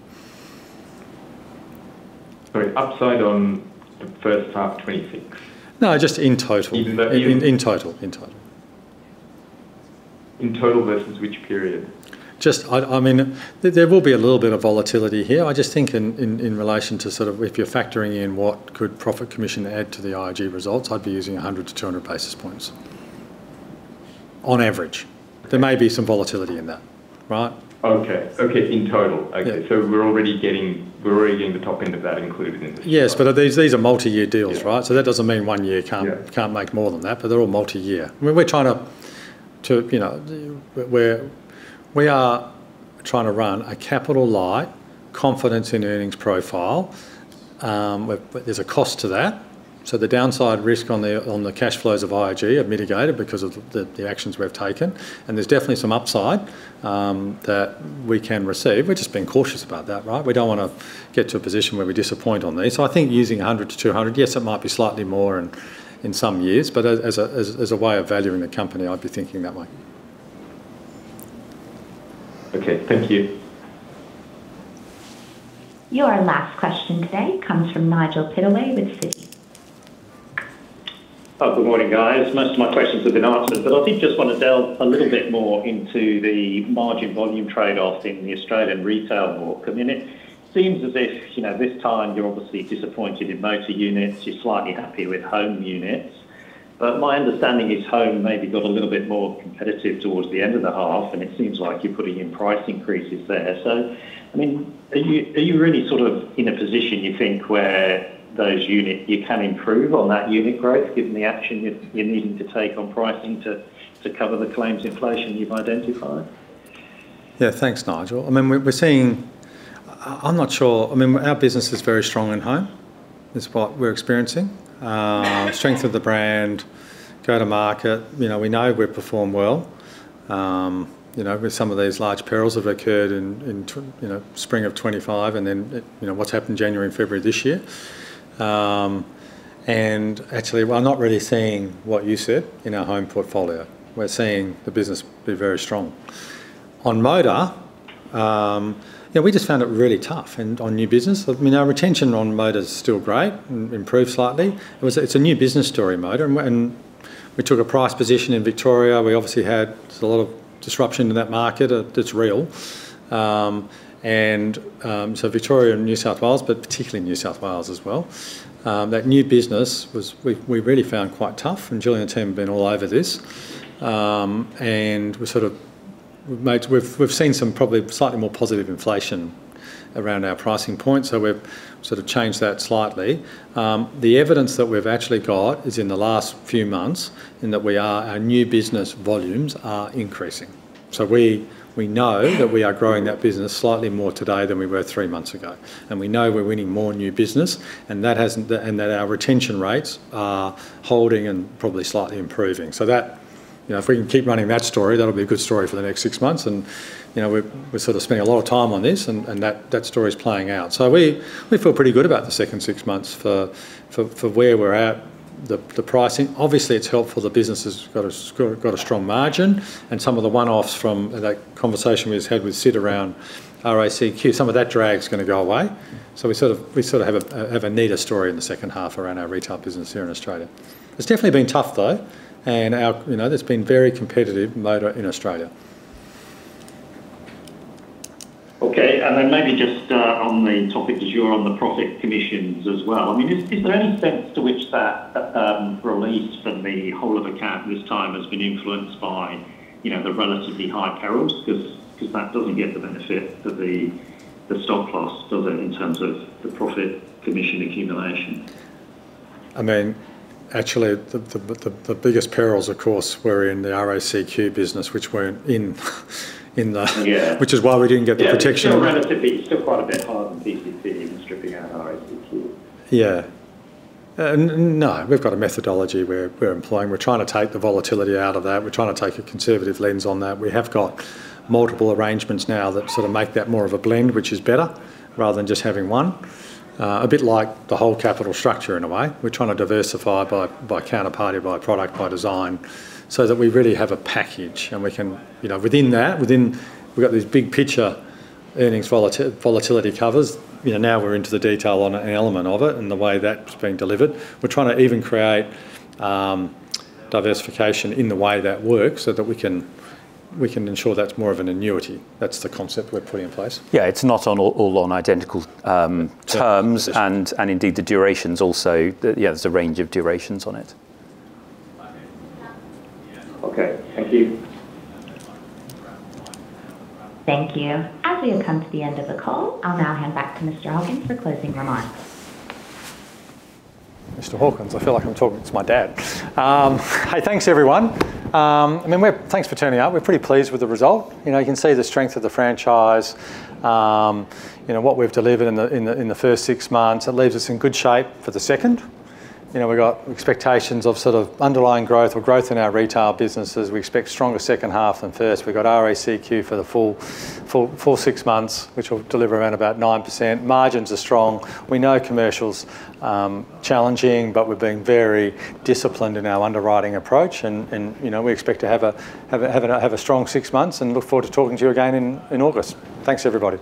Sorry, upside on the first half 2026? No, just in total. In- In total. In total versus which period? Just, I mean, there will be a little bit of volatility here. I just think in relation to sort of if you're factoring in what could profit commission add to the IAG results, I'd be using 100-200 basis points. On average. There may be some volatility in that, right? Okay. Okay, in total. Yeah. Okay, so we're already getting, we're already getting the top end of that included in this? Yes, but these, these are multi-year deals, right? Yeah. So that doesn't mean one year can't- Yeah... can't make more than that, but they're all multi-year. I mean, we're trying to you know... We're trying to run a capital light, confidence in earnings profile. But there's a cost to that. So the downside risk on the cash flows of IAG are mitigated because of the actions we've taken, and there's definitely some upside that we can receive. We're just being cautious about that, right? We don't want to get to a position where we disappoint on these. So I think using 100-200, yes, it might be slightly more in some years, but as a way of valuing the company, I'd be thinking that way. Okay, thank you. Your last question today comes from Nigel Pittaway with Citi. Oh, good morning, guys. Most of my questions have been answered, but I did just want to delve a little bit more into the margin volume trade-off in the Australian retail market. I mean, it seems as if, you know, this time you're obviously disappointed in motor units, you're slightly happy with home units. But my understanding is home maybe got a little bit more competitive towards the end of the half, and it seems like you're putting in price increases there. So, I mean, are you, are you really sort of in a position, you think, where those unit- you can improve on that unit growth, given the action you're, you're needing to take on pricing to, to cover the claims inflation you've identified? Yeah. Thanks, Nigel. I mean, we're seeing... I'm not sure. I mean, our business is very strong in home. That's what we're experiencing. Strength of the brand, go to market, you know, we know we've performed well. You know, with some of these large perils have occurred in the territory, you know, spring of 2025, and then, you know, what's happened January and February this year. And actually, well, I'm not really seeing what you said in our home portfolio. We're seeing the business be very strong. On motor, yeah, we just found it really tough and on new business. I mean, our retention on motor is still great and improved slightly. It's a new business story, motor, and we took a price position in Victoria. We obviously had a lot of disruption in that market, that's real. Victoria and New South Wales, but particularly New South Wales as well. That new business we really found quite tough, and Julie and the team have been all over this. And we sort of... We've seen some probably slightly more positive inflation around our pricing point, so we've sort of changed that slightly. The evidence that we've actually got is in the last few months, in that our new business volumes are increasing... So we know that we are growing that business slightly more today than we were three months ago. And we know we're winning more new business, and that hasn't, and that our retention rates are holding and probably slightly improving. So that, you know, if we can keep running that story, that'll be a good story for the next six months. And, you know, we've sort of spent a lot of time on this, and that story is playing out. So we feel pretty good about the second six months for where we're at. The pricing, obviously, it's helpful the business has got a strong margin, and some of the one-offs from that conversation we just had with Sid around RACQ, some of that drag is going to go away. So we sort of have a neater story in the second half around our retail business here in Australia. It's definitely been tough, though, and, you know, it's been very competitive later in Australia. Okay, and then maybe just on the topic, as you're on the profit commissions as well. I mean, is there any sense to which that release from the whole of account this time has been influenced by, you know, the relatively high perils? 'Cause that doesn't get the benefit of the stop loss, does it, in terms of the profit commission accumulation. I mean, actually, the biggest perils, of course, were in the RACQ business, which weren't in the- Yeah. Which is why we didn't get the protection. Yeah, still relatively, still quite a bit higher than PCP, even stripping out RACQ. Yeah. No, we've got a methodology we're employing. We're trying to take the volatility out of that. We're trying to take a conservative lens on that. We have got multiple arrangements now that sort of make that more of a blend, which is better, rather than just having one. A bit like the whole capital structure, in a way. We're trying to diversify by counterparty, by product, by design, so that we really have a package, and we can... You know, within that, we've got these big picture earnings volatility covers. You know, now we're into the detail on an element of it and the way that's being delivered. We're trying to even create diversification in the way that works, so that we can ensure that's more of an annuity. That's the concept we're putting in place. Yeah, it's not on all on identical terms- Yes... and indeed, the durations also. Yeah, there's a range of durations on it. Okay. Thank you. Thank you. As we have come to the end of the call, I'll now hand back to Mr. Hawkins for closing remarks. Mr. Hawkins, I feel like I'm talking to my dad. Hey, thanks, everyone. I mean, thanks for turning out. We're pretty pleased with the result. You know, you can see the strength of the franchise. You know, what we've delivered in the first six months, it leaves us in good shape for the second. You know, we've got expectations of sort of underlying growth or growth in our retail businesses. We expect stronger second half than first. We've got RACQ for the full six months, which will deliver around about 9%. Margins are strong. We know commercial's challenging, but we're being very disciplined in our underwriting approach and, you know, we expect to have a strong six months and look forward to talking to you again in August. Thanks, everybody.